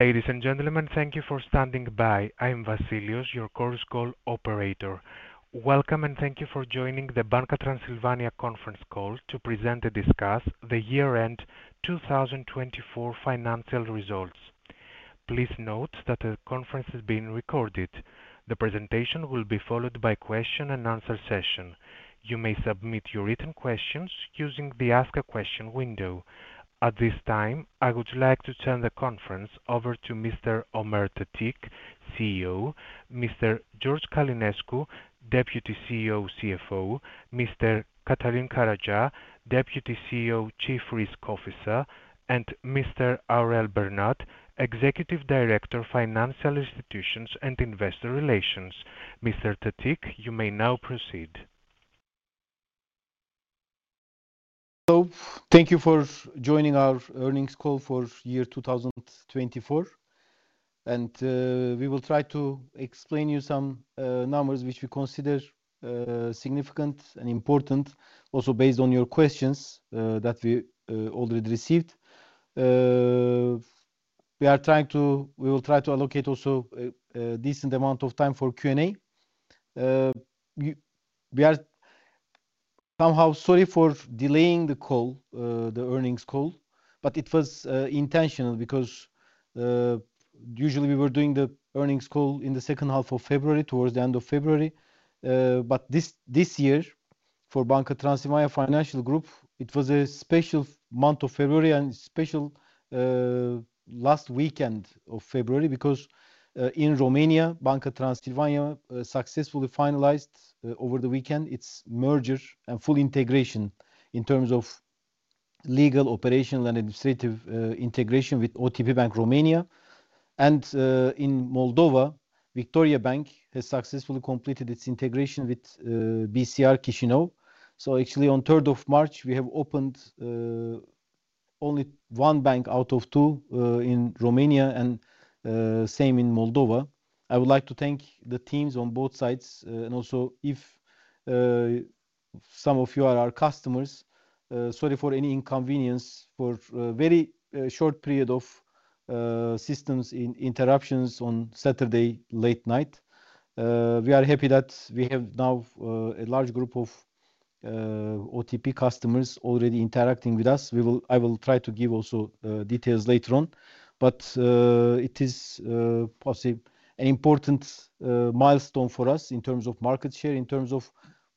Ladies and gentlemen, thank you for standing by. I'm Vasilios, your conference call operator. Welcome, and thank you for joining the Banca Transilvania conference call to present and discuss the year-end 2024 financial results. Please note that the conference is being recorded. The presentation will be followed by a question-and-answer session. You may submit your written questions using the Ask a Question window. At this time, I would like to turn the conference over to Mr. Ömer Tetik, CEO, Mr. George Călinescu, Deputy CEO/CFO, Mr. Cătălin Caragea, Deputy CEO/Chief Risk Officer, and Mr. Aurel Bernat, Executive Director, Financial Institutions and Investor Relations. Mr. Tetik, you may now proceed. Hello. Thank you for joining our earnings call for year 2024. We will try to explain you some numbers which we consider significant and important, also based on your questions that we already received. We are trying to—we will try to allocate also a decent amount of time for Q&A. We are somehow sorry for delaying the call, the earnings call, but it was intentional because usually we were doing the earnings call in the second half of February, towards the end of February. But this year, for Banca Transilvania Financial Group, it was a special month of February and a special last weekend of February because in Romania, Banca Transilvania successfully finalized over the weekend its merger and full integration in terms of legal, operational, and administrative integration with OTP Bank Romania. And in Moldova, Victoriabank has successfully completed its integration with BCR Chișinău. Actually, on 3rd of March, we have opened only one bank out of two in Romania and same in Moldova. I would like to thank the teams on both sides, and also if some of you are our customers, sorry for any inconvenience for a very short period of systems interruptions on Saturday late night. We are happy that we have now a large group of OTP customers already interacting with us. I will try to give also details later on, but it is possibly an important milestone for us in terms of market share, in terms of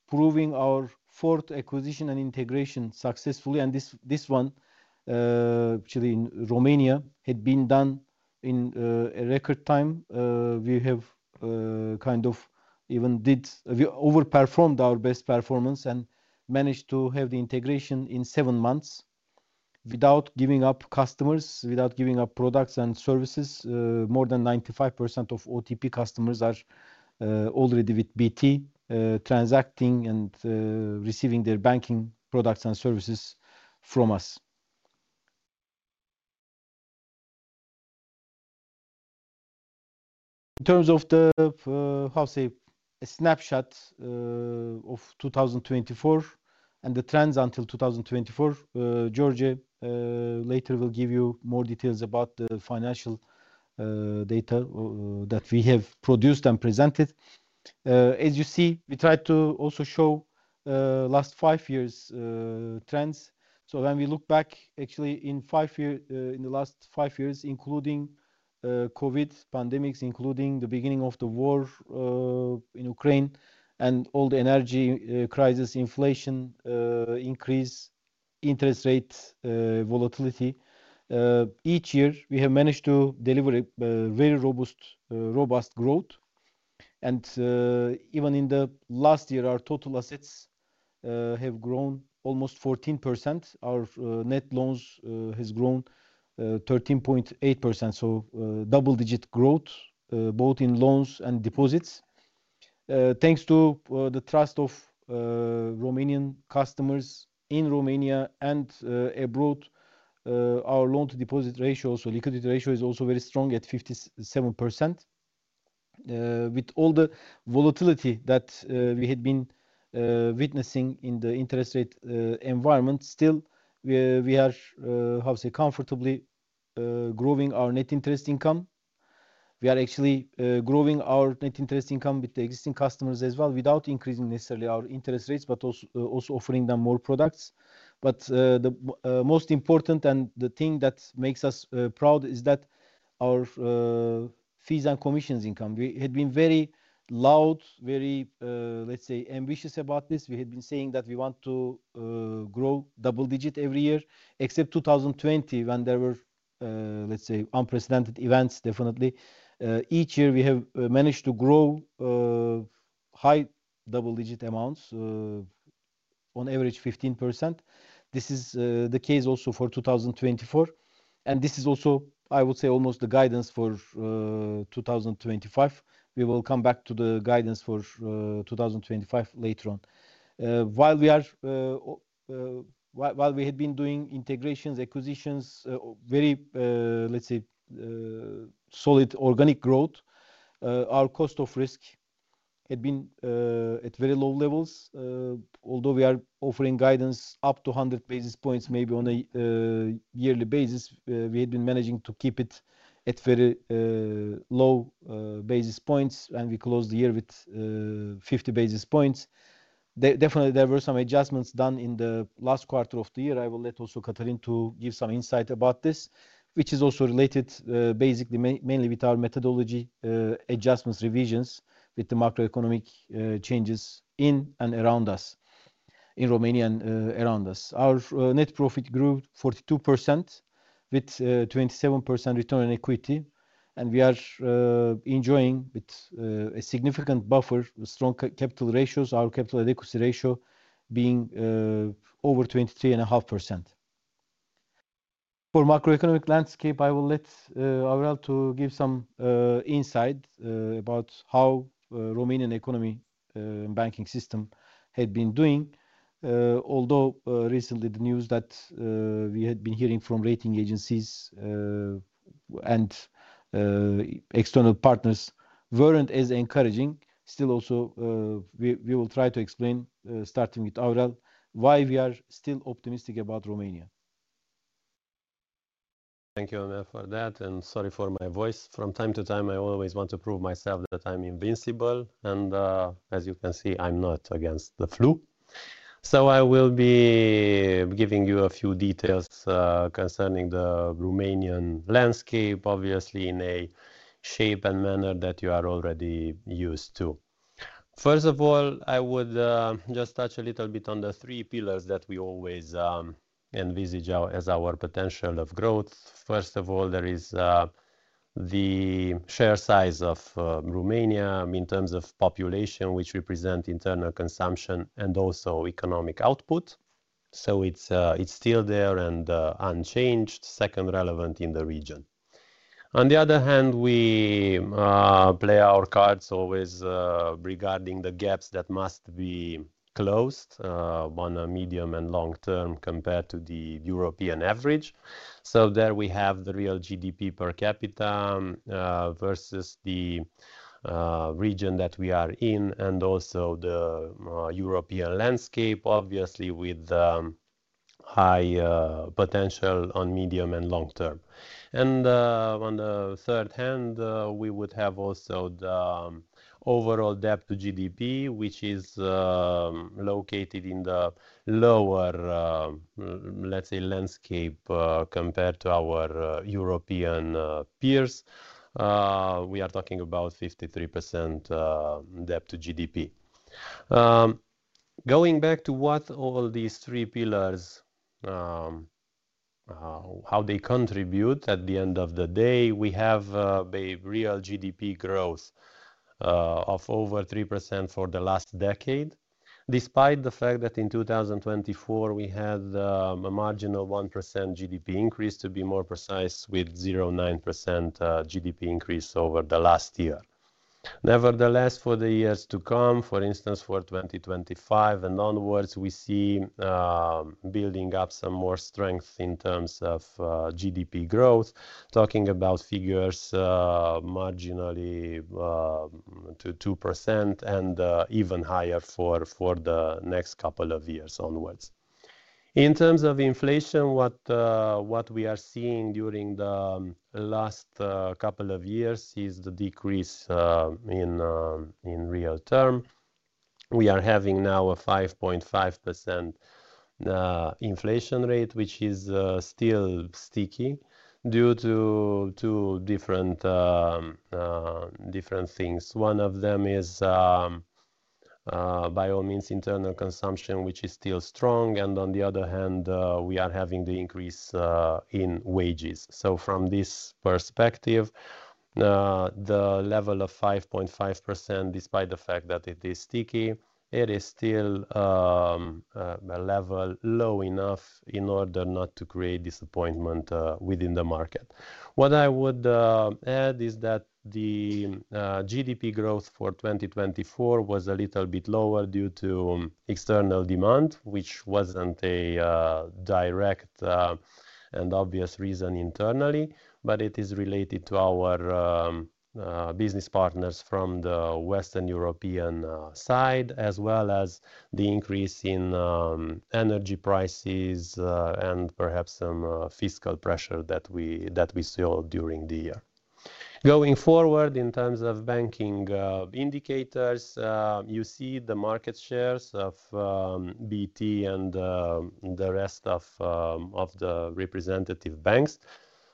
proving our fourth acquisition and integration successfully. This one, actually, in Romania had been done in a record time. We have kind of overperformed our best performance and managed to have the integration in seven months without giving up customers, without giving up products and services. More than 95% of OTP customers are already with BT transacting and receiving their banking products and services from us. In terms of the, how to say, snapshot of 2024 and the trends until 2024, George later will give you more details about the financial data that we have produced and presented. As you see, we tried to also show last five years' trends. So when we look back, actually, in five years, in the last five years, including COVID pandemic, including the beginning of the war in Ukraine and all the energy crisis, inflation increase, interest rate volatility, each year we have managed to deliver very robust, robust growth. And even in the last year, our total assets have grown almost 14%. Our net loans have grown 13.8%, so double-digit growth both in loans and deposits. Thanks to the trust of Romanian customers in Romania and abroad, our loan-to-deposit ratio, also liquidity ratio, is also very strong at 57%. With all the volatility that we had been witnessing in the interest rate environment, still we are, how to say, comfortably growing our net interest income. We are actually growing our net interest income with the existing customers as well, without increasing necessarily our interest rates, but also offering them more products. But the most important and the thing that makes us proud is that our fees and commissions income, we had been very loud, very, let's say, ambitious about this. We had been saying that we want to grow double-digit every year, except 2020 when there were, let's say, unprecedented events. Definitely, each year we have managed to grow high double-digit amounts on average 15%. This is the case also for 2024. This is also, I would say, almost the guidance for 2025. We will come back to the guidance for 2025 later on. While we had been doing integrations, acquisitions, very, let's say, solid organic growth, our cost of risk had been at very low levels. Although we are offering guidance up to 100 basis points maybe on a yearly basis, we had been managing to keep it at very low basis points, and we closed the year with 50 basis points. Definitely, there were some adjustments done in the last quarter of the year. I will let also Cătălin to give some insight about this, which is also related basically mainly with our methodology adjustments, revisions with the macroeconomic changes in and around us, in Romania and around us. Our net profit grew 42% with 27% return on equity, and we are enjoying a significant buffer with strong capital ratios, our Capital Adequacy Ratio being over 23.5%. For macroeconomic landscape, I will let Aurel to give some insight about how the Romanian economy and banking system had been doing. Although recently the news that we had been hearing from rating agencies and external partners weren't as encouraging, still also we will try to explain, starting with Aurel, why we are still optimistic about Romania. Thank you, Ömer, for that, and sorry for my voice. From time to time, I always want to prove myself that I'm invincible, and as you can see, I'm not against the flu, so I will be giving you a few details concerning the Romanian landscape, obviously in a shape and manner that you are already used to. First of all, I would just touch a little bit on the three pillars that we always envisage as our potential of growth. First of all, there is the sheer size of Romania in terms of population, which represents internal consumption and also economic output. So it's still there and unchanged, second largest in the region. On the other hand, we play our cards always regarding the gaps that must be closed on a medium and long term compared to the European average. There we have the real GDP per capita versus the region that we are in and also the European landscape, obviously with high potential on medium and long term. And on the third hand, we would have also the overall debt to GDP, which is located in the lower, let's say, landscape compared to our European peers. We are talking about 53% debt to GDP. Going back to what all these three pillars, how they contribute at the end of the day, we have a real GDP growth of over 3% for the last decade, despite the fact that in 2024 we had a marginal 1% GDP increase, to be more precise, with 0.9% GDP increase over the last year. Nevertheless, for the years to come, for instance, for 2025 and onwards, we see building up some more strength in terms of GDP growth, talking about figures marginally to 2% and even higher for the next couple of years onwards. In terms of inflation, what we are seeing during the last couple of years is the decrease in real terms. We are having now a 5.5% inflation rate, which is still sticky due to different things. One of them is, by all means, internal consumption, which is still strong. And on the other hand, we are having the increase in wages. So from this perspective, the level of 5.5%, despite the fact that it is sticky, it is still a level low enough in order not to create disappointment within the market. What I would add is that the GDP growth for 2024 was a little bit lower due to external demand, which wasn't a direct and obvious reason internally, but it is related to our business partners from the Western European side, as well as the increase in energy prices and perhaps some fiscal pressure that we saw during the year. Going forward, in terms of banking indicators, you see the market shares of BT and the rest of the representative banks.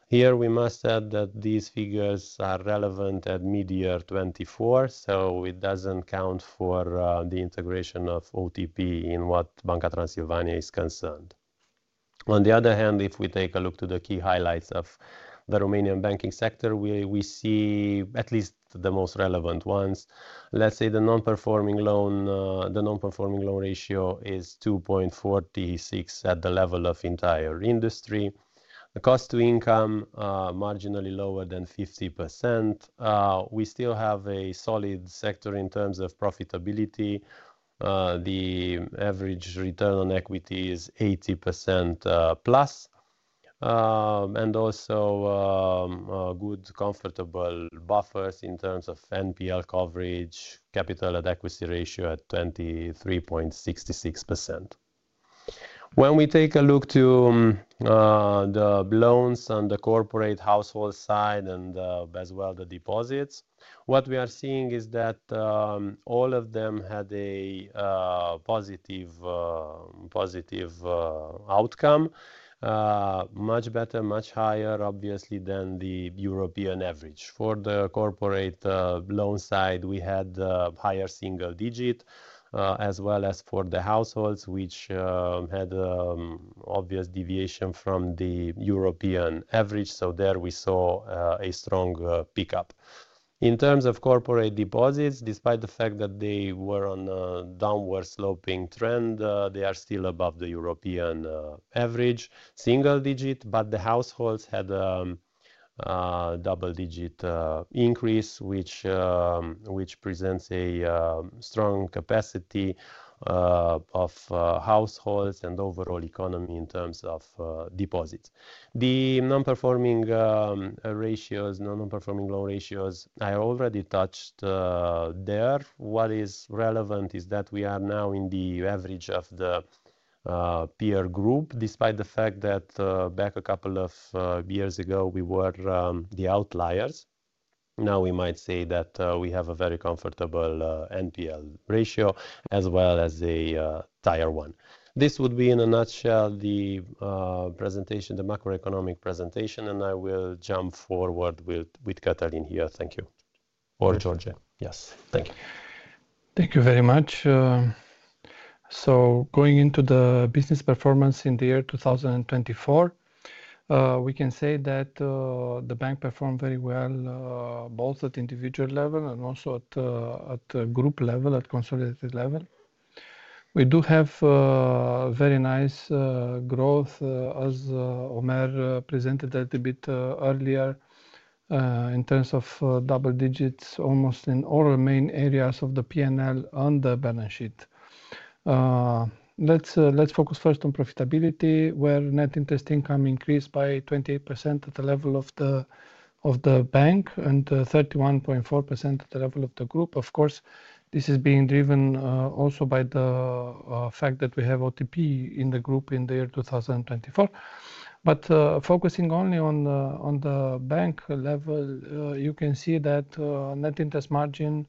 Here we must add that these figures are relevant at mid-year 2024, so it doesn't count for the integration of OTP in what Banca Transilvania is concerned. On the other hand, if we take a look to the key highlights of the Romanian banking sector, we see at least the most relevant ones. Let's say the non-performing loan, the non-performing loan ratio is 2.46 at the level of entire industry. The cost-to-income is marginally lower than 50%. We still have a solid sector in terms of profitability. The average return on equity is 80% plus, and also good comfortable buffers in terms of NPL coverage, capital adequacy ratio at 23.66%. When we take a look to the loans on the corporate household side and as well the deposits, what we are seeing is that all of them had a positive outcome, much better, much higher, obviously, than the European average. For the corporate loan side, we had a higher single digit, as well as for the households, which had obvious deviation from the European average. So there we saw a strong pickup. In terms of corporate deposits, despite the fact that they were on a downward sloping trend, they are still above the European average, single digit, but the households had a double-digit increase, which presents a strong capacity of households and overall economy in terms of deposits. The non-performing ratios, non-performing loan ratios, I already touched there. What is relevant is that we are now in the average of the peer group, despite the fact that back a couple of years ago we were the outliers. Now we might say that we have a very comfortable NPL ratio as well as a Tier 1. This would be in a nutshell the presentation, the macroeconomic presentation, and I will jump forward with Cătălin here. Thank you. Ömer. George. Yes. Thank you. Thank you very much. So going into the business performance in the year 2024, we can say that the bank performed very well both at individual level and also at group level, at consolidated level. We do have very nice growth, as Ömer presented a little bit earlier, in terms of double digits almost in all main areas of the P&L on the balance sheet. Let's focus first on profitability, where net interest income increased by 28% at the level of the bank and 31.4% at the level of the group. Of course, this is being driven also by the fact that we have OTP in the group in the year 2024. But focusing only on the bank level, you can see that net interest margin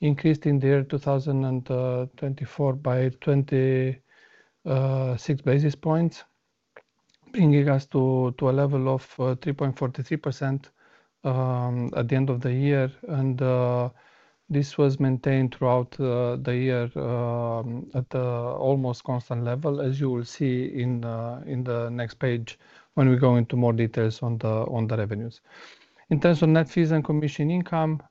increased in the year 2024 by 26 basis points, bringing us to a level of 3.43% at the end of the year. And this was maintained throughout the year at an almost constant level, as you will see in the next page when we go into more details on the revenues. In terms of net fees and commission income,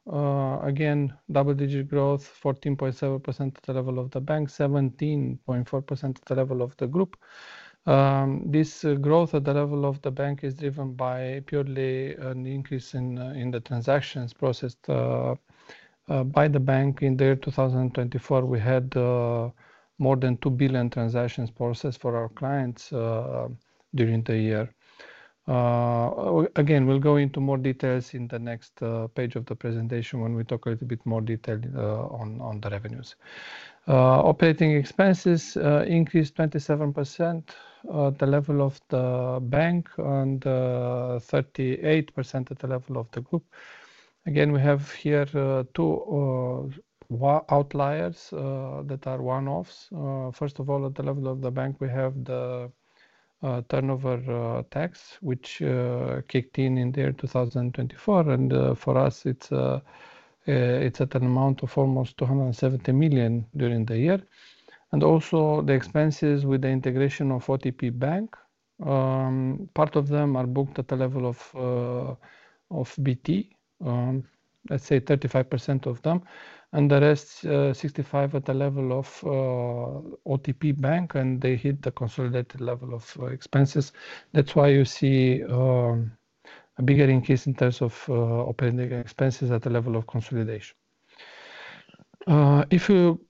again, double-digit growth, 14.7% at the level of the bank, 17.4% at the level of the group. This growth at the level of the bank is driven by purely an increase in the transactions processed by the bank. In the year 2024, we had more than 2 billion transactions processed for our clients during the year. Again, we'll go into more details in the next page of the presentation when we talk a little bit more detail on the revenues. Operating expenses increased 27% at the level of the bank and 38% at the level of the group. Again, we have here two outliers that are one-offs. First of all, at the level of the bank, we have the turnover tax, which kicked in in the year 2024, and for us, it's at an amount of almost RON 270 million during the year, and also the expenses with the integration of OTP Bank. Part of them are booked at the level of BT, let's say 35% of them, and the rest 65% at the level of OTP Bank, and they hit the consolidated level of expenses. That's why you see a bigger increase in terms of operating expenses at the level of consolidation. If you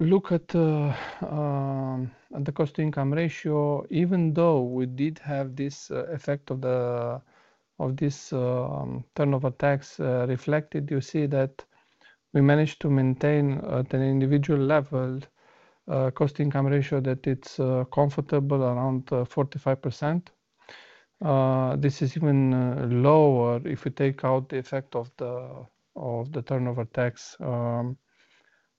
look at the cost-to-income ratio, even though we did have this effect of this turnover tax reflected, you see that we managed to maintain at an individual level cost-to-income ratio that it's comfortable around 45%. This is even lower if we take out the effect of the turnover tax,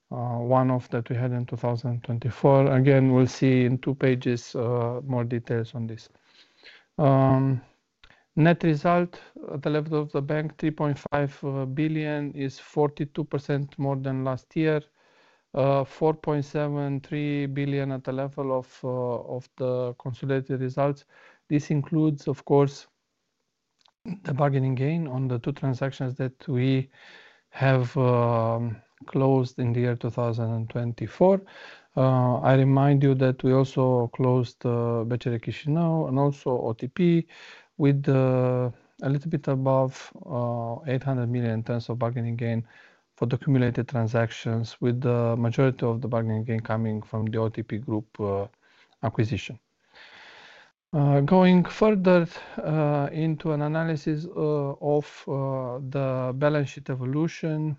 one-off that we had in 2024. Again, we'll see in two pages more details on this. Net result at the level of the bank, RON 3.5 billion, is 42% more than last year, RON 4.73 billion at the level of the consolidated results. This includes, of course, the bargain gain on the two transactions that we have closed in the year 2024. I remind you that we also closed BC and also OTP with a little bit above RON 800 million in terms of bargain gain for the cumulated transactions, with the majority of the bargain gain coming from the OTP group acquisition. Going further into an analysis of the balance sheet evolution,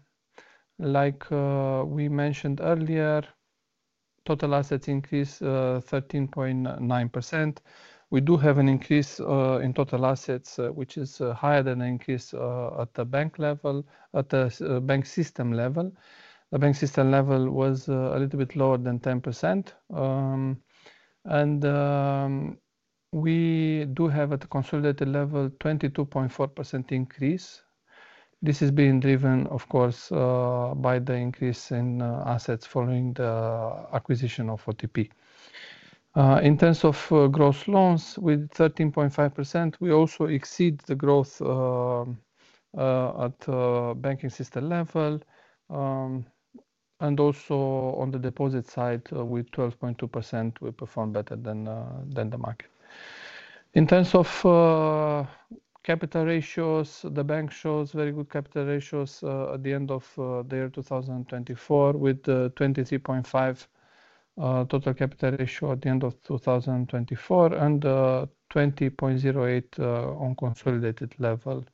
like we mentioned earlier, total assets increased 13.9%. We do have an increase in total assets, which is higher than the increase at the bank level, at the bank system level. The bank system level was a little bit lower than 10%. And we do have at the consolidated level 22.4% increase. This is being driven, of course, by the increase in assets following the acquisition of OTP. In terms of gross loans, with 13.5%, we also exceed the growth at banking system level. And also on the deposit side, with 12.2%, we perform better than the market. In terms of capital ratios, the bank shows very good capital ratios at the end of the year 2024, with 23.5% total capital ratio at the end of 2024 and 20.08% on consolidated level.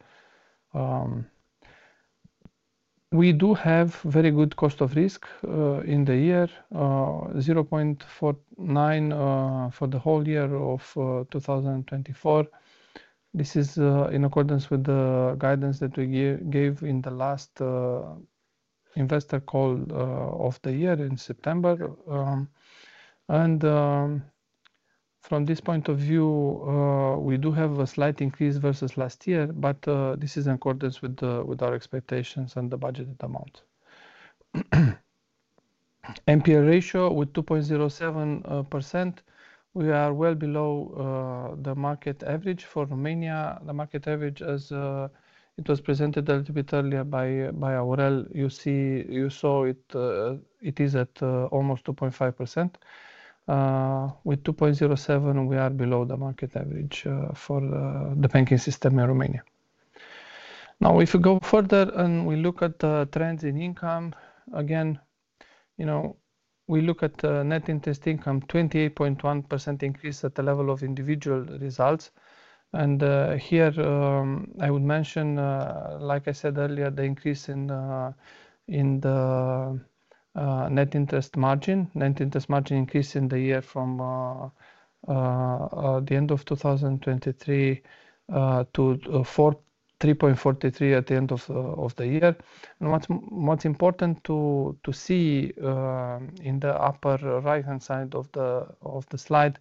We do have very good cost of risk in the year, 0.49% for the whole year of 2024. This is in accordance with the guidance that we gave in the last investor call of the year in September. From this point of view, we do have a slight increase versus last year, but this is in accordance with our expectations and the budgeted amount. NPL ratio with 2.07%. We are well below the market average for Romania. The market average, as it was presented a little bit earlier by Aurel, you saw it is at almost 2.5%. With 2.07, we are below the market average for the banking system in Romania. Now, if we go further and we look at trends in income, again, we look at net interest income, 28.1% increase at the level of individual results. Here I would mention, like I said earlier, the increase in the net interest margin, net interest margin increase in the year from the end of 2023 to 3.43% at the end of the year. What's important to see in the upper right-hand side of the slide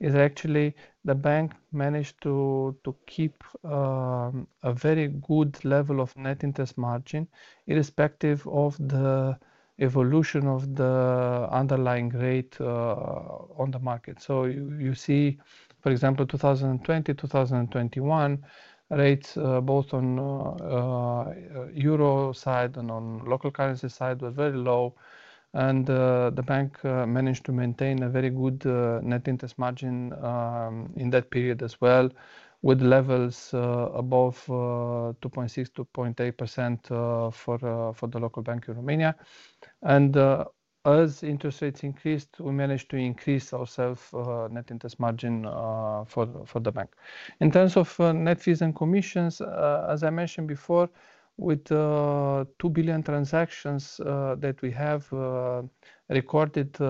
is actually the bank managed to keep a very good level of net interest margin, irrespective of the evolution of the underlying rate on the market. So you see, for example, 2020, 2021, rates both on euro side and on local currency side were very low. The bank managed to maintain a very good net interest margin in that period as well, with levels above 2.6%, 2.8% for the local bank in Romania. As interest rates increased, we managed to increase our net interest margin for the bank. In terms of net fees and commissions, as I mentioned before, with 2 billion transactions that we have recorded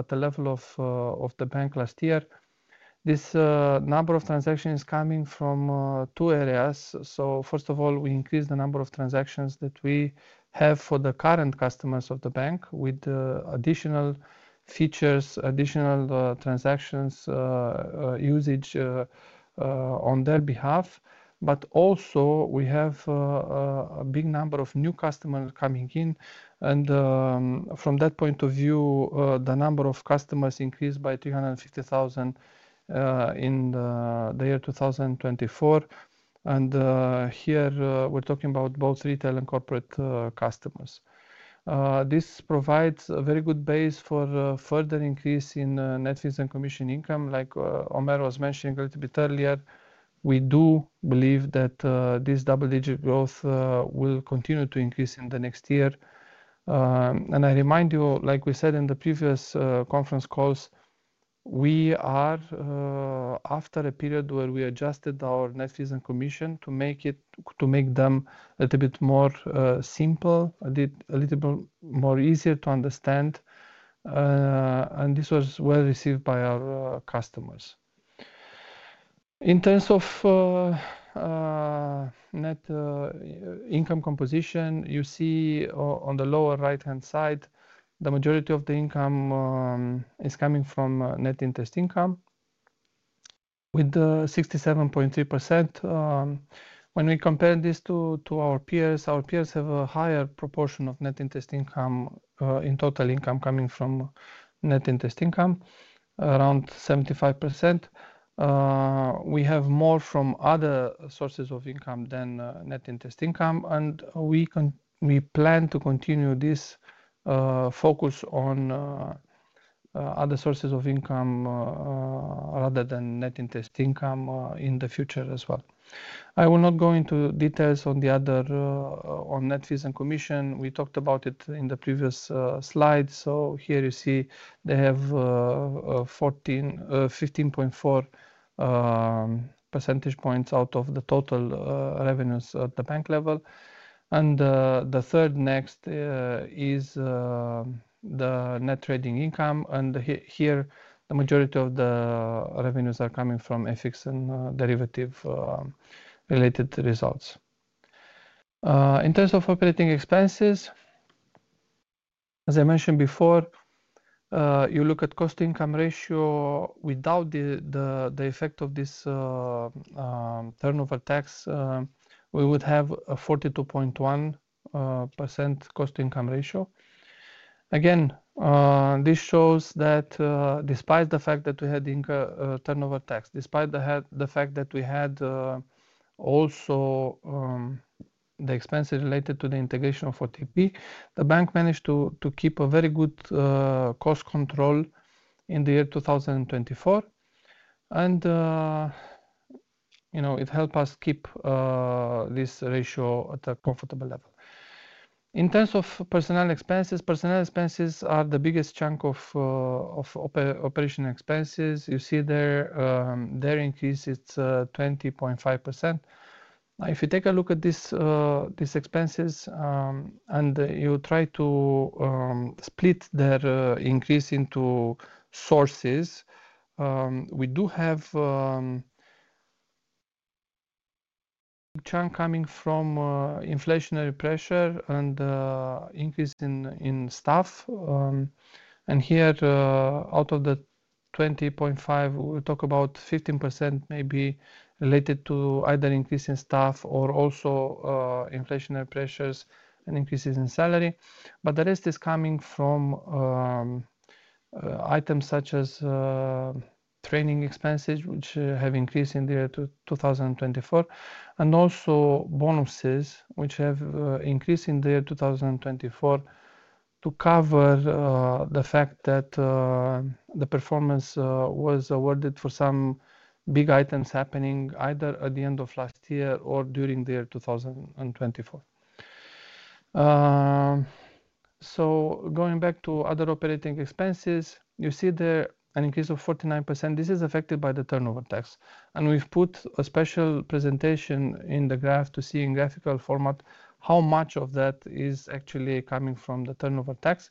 at the level of the bank last year, this number of transactions is coming from two areas. So first of all, we increased the number of transactions that we have for the current customers of the bank, with additional features, additional transactions usage on their behalf. But also we have a big number of new customers coming in. And from that point of view, the number of customers increased by 350,000 in the year 2024. And here we're talking about both retail and corporate customers. This provides a very good base for further increase in net fees and commission income. Like Ömer was mentioning a little bit earlier, we do believe that this double-digit growth will continue to increase in the next year. I remind you, like we said in the previous conference calls, we are after a period where we adjusted our net fees and commission to make them a little bit more simple, a little bit more easier to understand. This was well received by our customers. In terms of net income composition, you see on the lower right-hand side, the majority of the income is coming from net interest income, with 67.3%. When we compare this to our peers, our peers have a higher proportion of net interest income in total income coming from net interest income, around 75%. We have more from other sources of income than net interest income. We plan to continue this focus on other sources of income rather than net interest income in the future as well. I will not go into details on the other on net fees and commission. We talked about it in the previous slide. So here you see they have 15.4 percentage points out of the total revenues at the bank level. And the third next is the net trading income. And here the majority of the revenues are coming from FX and derivative-related results. In terms of operating expenses, as I mentioned before, you look at cost-to-income ratio without the effect of this turnover tax. We would have a 42.1% cost-to-income ratio. Again, this shows that despite the fact that we had turnover tax, despite the fact that we had also the expenses related to the integration of OTP, the bank managed to keep a very good cost control in the year 2024. And it helped us keep this ratio at a comfortable level. In terms of personnel expenses, personnel expenses are the biggest chunk of operating expenses. You see their increase is 20.5%. Now, if you take a look at these expenses and you try to split their increase into sources, we do have a chunk coming from inflationary pressure and increase in staff, and here, out of the 20.5, we talk about 15% maybe related to either increase in staff or also inflationary pressures and increases in salary, but the rest is coming from items such as training expenses, which have increased in the year 2024, and also bonuses, which have increased in the year 2024 to cover the fact that the performance was awarded for some big items happening either at the end of last year or during the year 2024, so going back to other operating expenses, you see there an increase of 49%. This is affected by the turnover tax. We've put a special presentation in the graph to see in graphical format how much of that is actually coming from the turnover tax.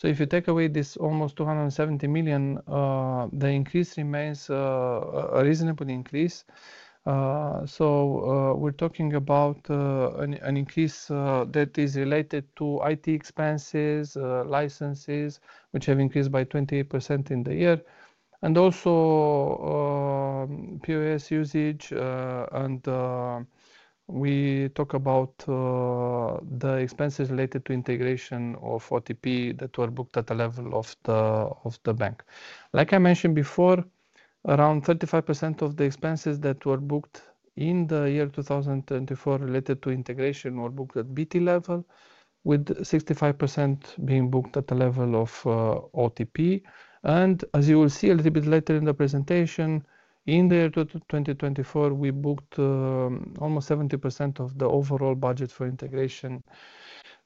So if you take away this almost RON 270 million, the increase remains a reasonable increase. So we're talking about an increase that is related to IT expenses, licenses, which have increased by 28% in the year, and also POS usage. And we talk about the expenses related to integration of OTP that were booked at the level of the bank. Like I mentioned before, around 35% of the expenses that were booked in the year 2024 related to integration were booked at BT level, with 65% being booked at the level of OTP. As you will see a little bit later in the presentation, in the year 2024, we booked almost 70% of the overall budget for integration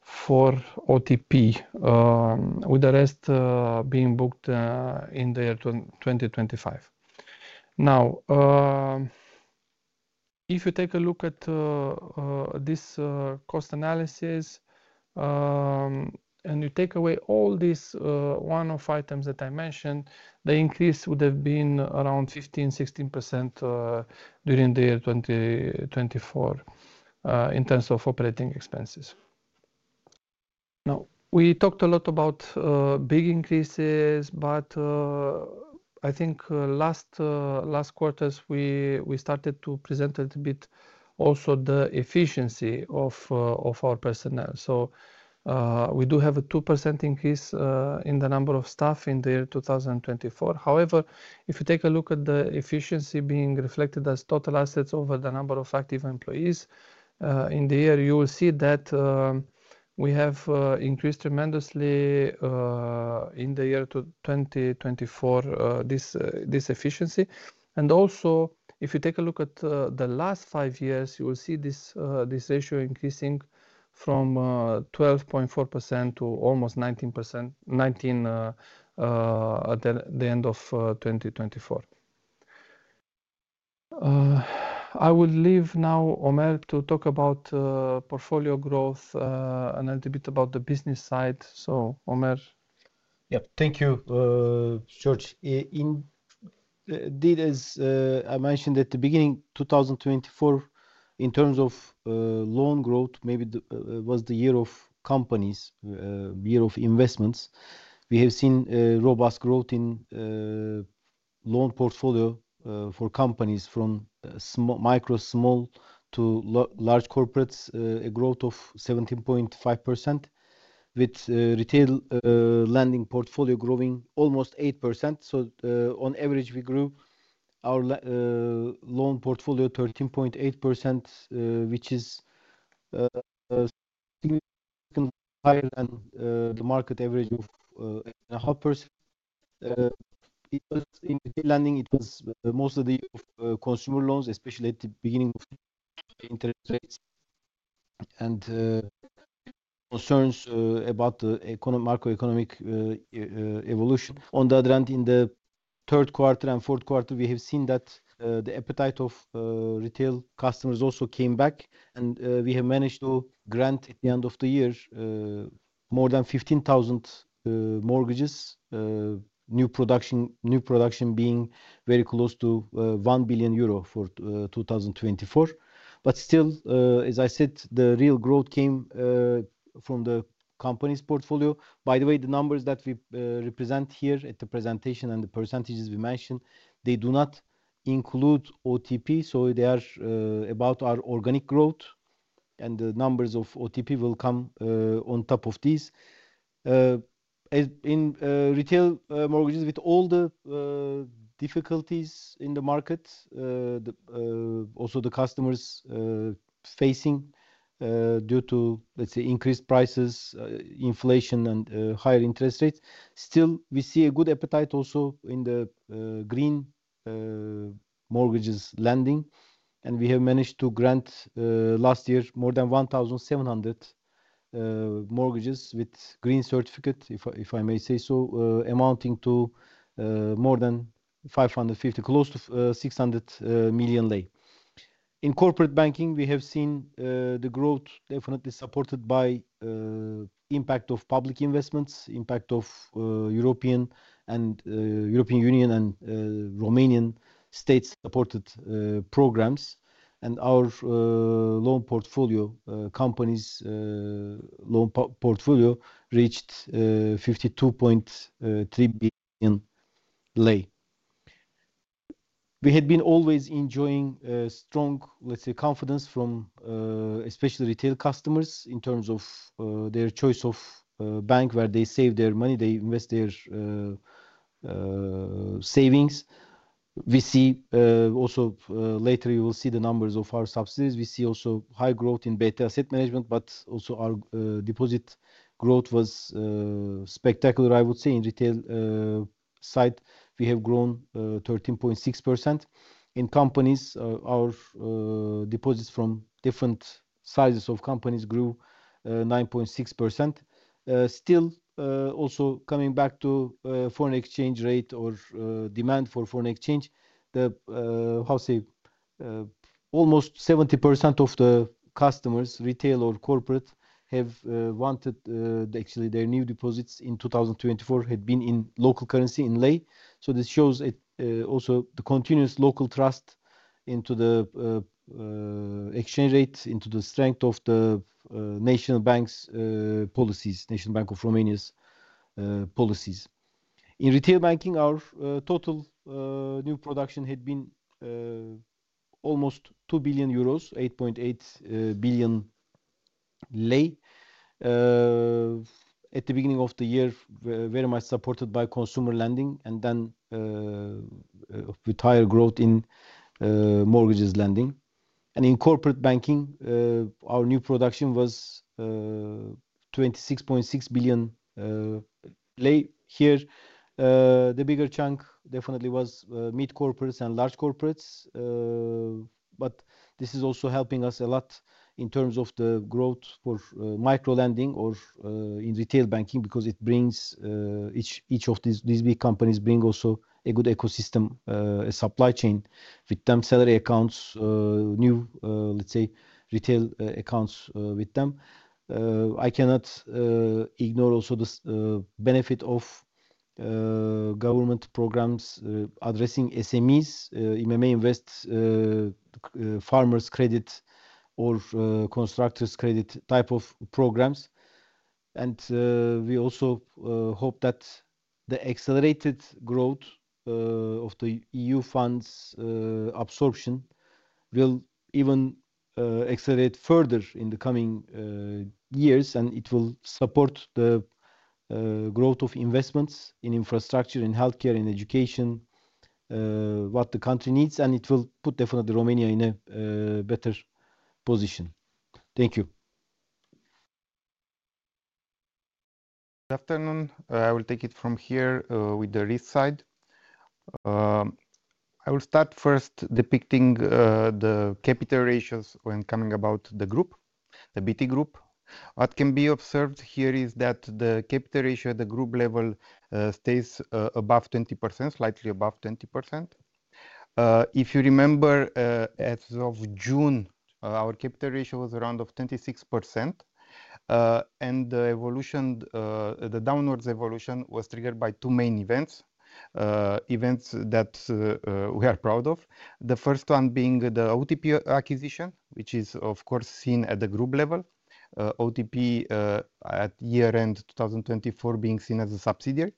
for OTP, with the rest being booked in the year 2025. Now, if you take a look at this cost analysis and you take away all these one-off items that I mentioned, the increase would have been around 15%-16% during the year 2024 in terms of operating expenses. Now, we talked a lot about big increases, but I think last quarter, we started to present a little bit also the efficiency of our personnel. So we do have a 2% increase in the number of staff in the year 2024. However, if you take a look at the efficiency being reflected as total assets over the number of active employees in the year, you will see that we have increased tremendously in the year 2024, this efficiency, and also, if you take a look at the last five years, you will see this ratio increasing from 12.4% to almost 19% at the end of 2024. I will leave now Ömer to talk about portfolio growth and a little bit about the business side. So, Ömer. Yep. Thank you, George. Indeed, as I mentioned at the beginning, 2024 in terms of loan growth maybe was the year of companies, year of investments. We have seen robust growth in loan portfolio for companies from micro small to large corporates, a growth of 17.5%, with retail lending portfolio growing almost 8%. So on average, we grew our loan portfolio 13.8%, which is higher than the market average of 1.5%. In retail lending, it was mostly the consumer loans, especially at the beginning of interest rates and concerns about the macroeconomic evolution. On the other hand, in the third quarter and fourth quarter, we have seen that the appetite of retail customers also came back. And we have managed to grant at the end of the year more than 15,000 mortgages, new production being very close to €1 billion for 2024. But still, as I said, the real growth came from the company's portfolio. By the way, the numbers that we present here at the presentation and the percentages we mentioned, they do not include OTP. So they are about our organic growth. And the numbers of OTP will come on top of these. In retail mortgages, with all the difficulties in the market, also the customers facing due to, let's say, increased prices, inflation, and higher interest rates, still we see a good appetite also in the green mortgages lending. We have managed to grant last year more than 1,700 mortgages with green certificate, if I may say so, amounting to more than RON 550 million, close to RON 600 million. In corporate banking, we have seen the growth definitely supported by impact of public investments, impact of European and European Union and Romanian states supported programs. Our loan portfolio companies' loan portfolio reached RON 52.3 billion. We had been always enjoying strong, let's say, confidence from especially retail customers in terms of their choice of bank where they save their money, they invest their savings. We see also later you will see the numbers of our subsidiaries. We see also high growth in BT Asset Management, but also our deposit growth was spectacular, I would say, on the retail side. We have grown 13.6%. In companies, our deposits from different sizes of companies grew 9.6%. Still, also coming back to foreign exchange rate or demand for foreign exchange, how to say, almost 70% of the customers, retail or corporate, have wanted actually their new deposits in 2024 had been in local currency, in lei. So this shows also the continuous local trust into the exchange rate, into the strength of the national bank's policies, National Bank of Romania's policies. In retail banking, our total new production had been almost €2 billion, RON 8.8 billion. At the beginning of the year, very much supported by consumer lending and then with higher growth in mortgages lending. And in corporate banking, our new production was RON 26.6 billion. Here, the bigger chunk definitely was mid-corporates and large corporates. But this is also helping us a lot in terms of the growth for microlending or in retail banking because it brings each of these big companies bring also a good ecosystem, a supply chain with them salary accounts, new, let's say, retail accounts with them. I cannot ignore also the benefit of government programs addressing SMEs, IMM Invest, Farmers' Credit, or Constructors' Credit type of programs. And we also hope that the accelerated growth of the EU funds absorption will even accelerate further in the coming years. And it will support the growth of investments in infrastructure, in healthcare, in education, what the country needs. And it will put definitely Romania in a better position. Thank you. Good afternoon. I will take it from here with the risk side. I will start first depicting the capital ratios when coming about the group, the BT group. What can be observed here is that the capital ratio at the group level stays above 20%, slightly above 20%. If you remember, as of June, our capital ratio was around 26% and the downward evolution was triggered by two main events, events that we are proud of. The first one being the OTP acquisition, which is, of course, seen at the group level, OTP at year-end 2024 being seen as a subsidiary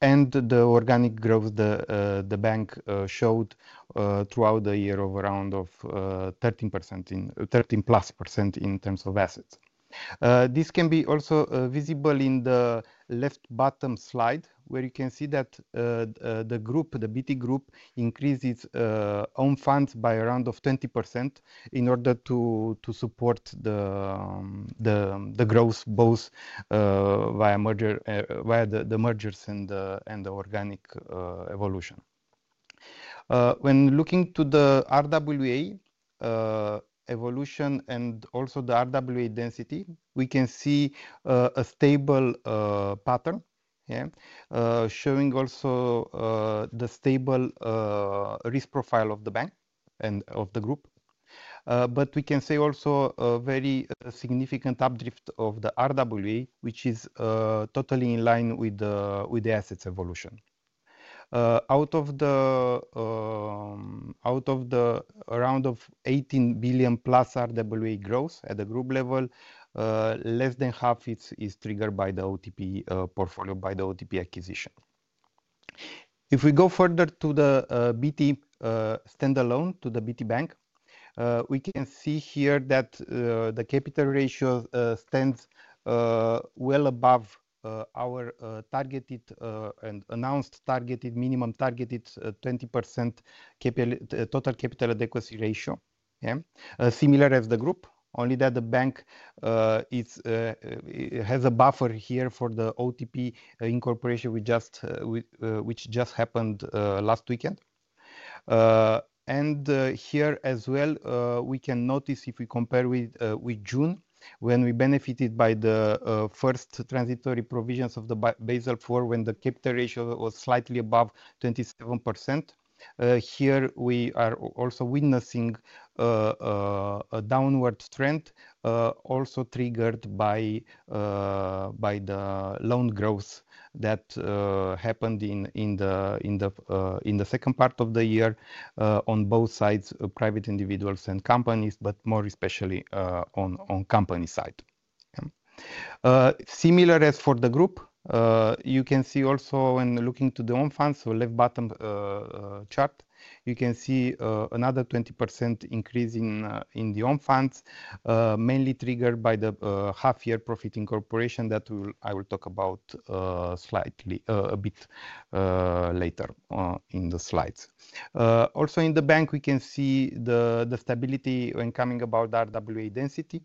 and the organic growth the bank showed throughout the year of around 13%, 13 plus % in terms of assets. This can be also visible in the left bottom slide, where you can see that the group, the BT group, increased its own funds by around 20% in order to support the growth both via the mergers and the organic evolution. When looking to the RWA evolution and also the RWA density, we can see a stable pattern, yeah, showing also the stable risk profile of the bank and of the group. But we can see also a very significant uptick of the RWA, which is totally in line with the assets evolution. Out of around RON 18 billion-plus RWA growth at the group level, less than half is triggered by the OTP portfolio, by the OTP acquisition. If we go further to the BT standalone, to the BT bank, we can see here that the capital ratio stands well above our targeted and announced minimum 20% total capital adequacy ratio, yeah, similar as the group, only that the bank has a buffer here for the OTP incorporation, which just happened last weekend. And here as well, we can notice if we compare with June, when we benefited by the first transitory provisions of the Basel IV, when the capital ratio was slightly above 27%. Here we are also witnessing a downward trend also triggered by the loan growth that happened in the second part of the year on both sides, private individuals and companies, but more especially on company side. Similar as for the group, you can see also when looking to the own funds, so left bottom chart, you can see another 20% increase in the own funds, mainly triggered by the half-year profit incorporation that I will talk about slightly a bit later in the slides. Also in the bank, we can see the stability when coming about RWA density.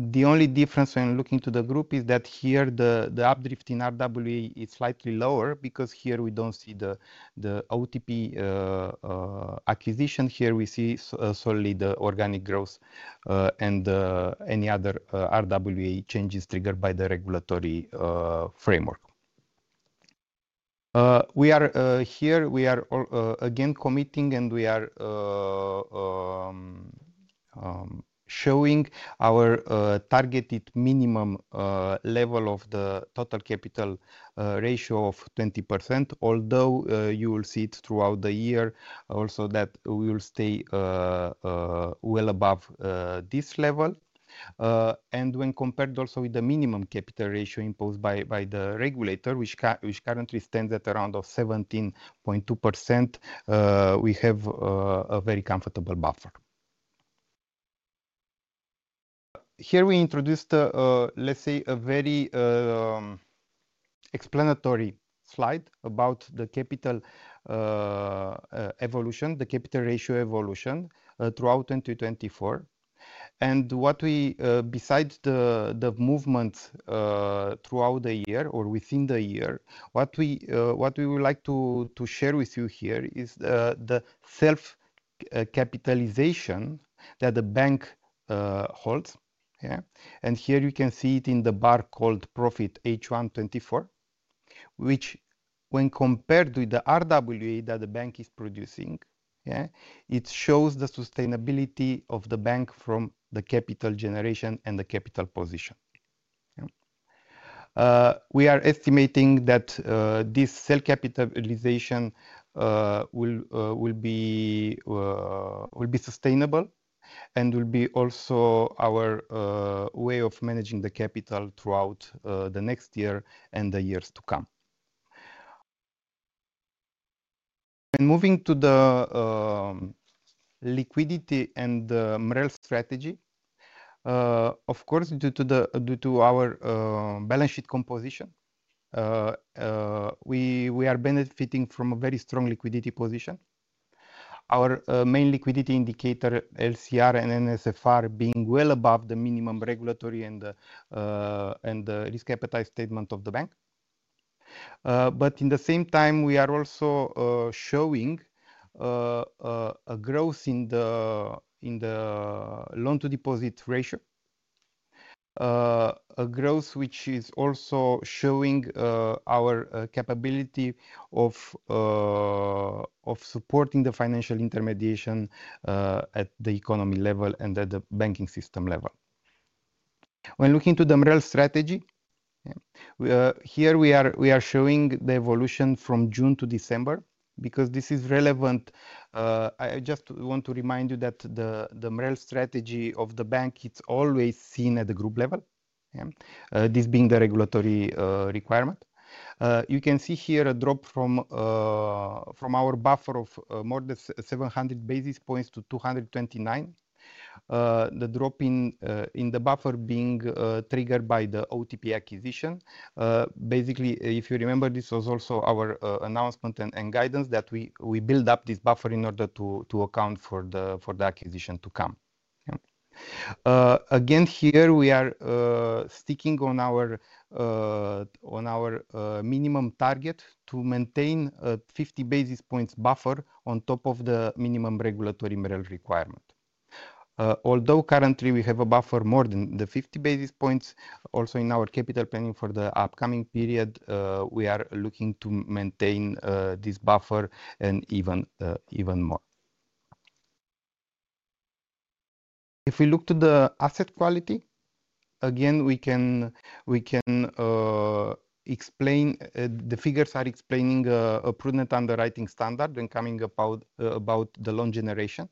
The only difference when looking to the group is that here the updraft in RWA is slightly lower because here we don't see the OTP acquisition. Here we see solely the organic growth and any other RWA changes triggered by the regulatory framework. Here we are again committing and we are showing our targeted minimum level of the total capital ratio of 20%, although you will see it throughout the year also that we will stay well above this level. And when compared also with the minimum capital ratio imposed by the regulator, which currently stands at around 17.2%, we have a very comfortable buffer. Here we introduced, let's say, a very explanatory slide about the capital evolution, the capital ratio evolution throughout 2024. Besides the movements throughout the year or within the year, what we would like to share with you here is the self-capitalization that the bank holds. Here you can see it in the bar called Profit H1 24, which when compared with the RWA that the bank is producing, it shows the sustainability of the bank from the capital generation and the capital position. We are estimating that this self-capitalization will be sustainable and will be also our way of managing the capital throughout the next year and the years to come. Moving to the liquidity and MREL strategy, of course, due to our balance sheet composition, we are benefiting from a very strong liquidity position. Our main liquidity indicator, LCR and NSFR, being well above the minimum regulatory and the risk appetite statement of the bank. But at the same time, we are also showing a growth in the loan-to-deposit ratio, a growth which is also showing our capability of supporting the financial intermediation at the economy level and at the banking system level. When looking at the MREL strategy, here we are showing the evolution from June to December because this is relevant. I just want to remind you that the MREL strategy of the bank, it's always seen at the group level, this being the regulatory requirement. You can see here a drop from our buffer of more than 700 basis points to 229. The drop in the buffer being triggered by the OTP acquisition. Basically, if you remember, this was also our announcement and guidance that we build up this buffer in order to account for the acquisition to come. Again, here we are sticking on our minimum target to maintain a 50 basis points buffer on top of the minimum regulatory MREL requirement. Although currently we have a buffer more than the 50 basis points, also in our capital planning for the upcoming period, we are looking to maintain this buffer and even more. If we look to the asset quality, again, we can explain the figures are explaining a prudent underwriting standard when coming about the loan generation.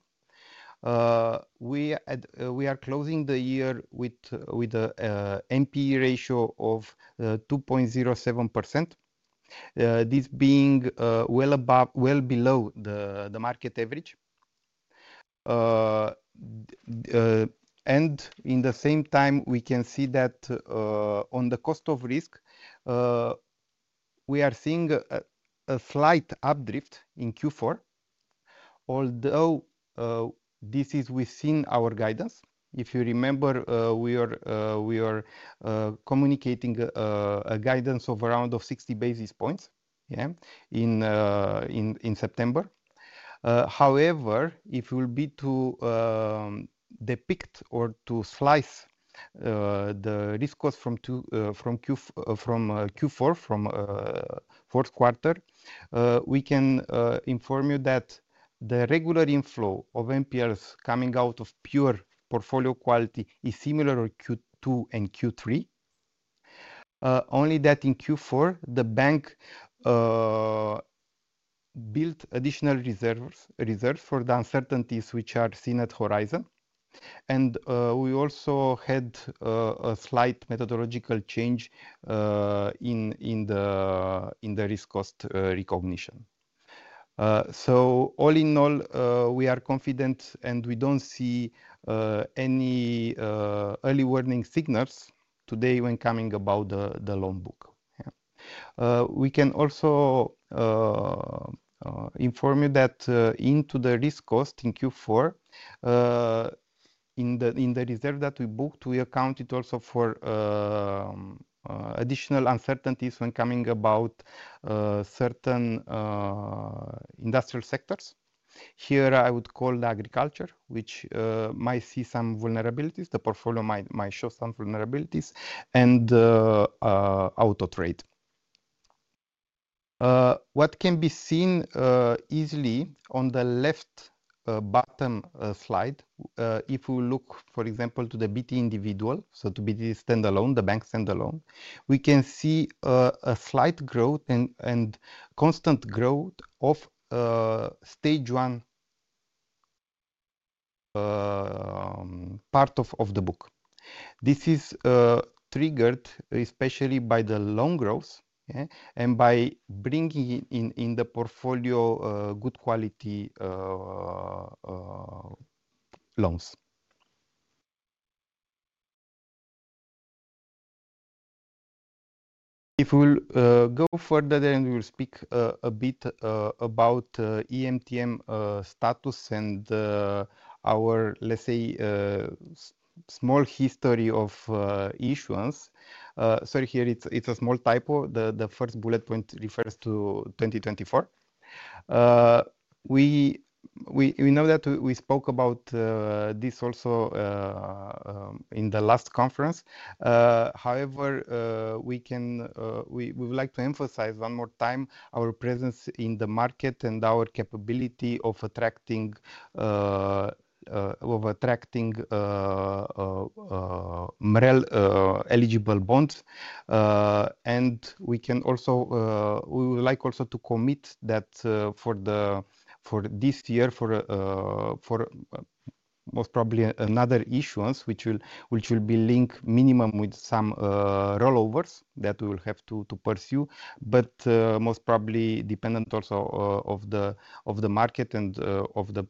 We are closing the year with an NPE ratio of 2.07%, this being well below the market average, and in the same time, we can see that on the cost of risk, we are seeing a slight updraft in Q4, although this is within our guidance. If you remember, we are communicating a guidance of around 60 basis points in September. However, if we'll be to depict or to slice the risk cost from Q4, from fourth quarter, we can inform you that the regular inflow of NPLs coming out of pure portfolio quality is similar to Q2 and Q3. Only that in Q4, the bank built additional reserves for the uncertainties which are seen on the horizon, and we also had a slight methodological change in the risk cost recognition, so all in all, we are confident and we don't see any early warning signals today when coming about the loan book. We can also inform you that into the risk cost in Q4, in the reserve that we booked, we accounted also for additional uncertainties when coming about certain industrial sectors. Here, I would call the agriculture, which might see some vulnerabilities. The portfolio might show some vulnerabilities and auto trade. What can be seen easily on the left bottom slide, if we look, for example, to the BT individual, so to BT standalone, the bank standalone, we can see a slight growth and constant growth of stage one part of the book. This is triggered especially by the loan growth and by bringing in the portfolio good quality loans. If we'll go further and we'll speak a bit about EMTN status and our, let's say, small history of issuance. Sorry, here it's a small typo. The first bullet point refers to 2024. We know that we spoke about this also in the last conference. However, we would like to emphasize one more time our presence in the market and our capability of attracting MREL eligible bonds. We would like also to commit that for this year, for most probably another issuance, which will be linked minimum with some rollovers that we will have to pursue, but most probably dependent also of the market and of the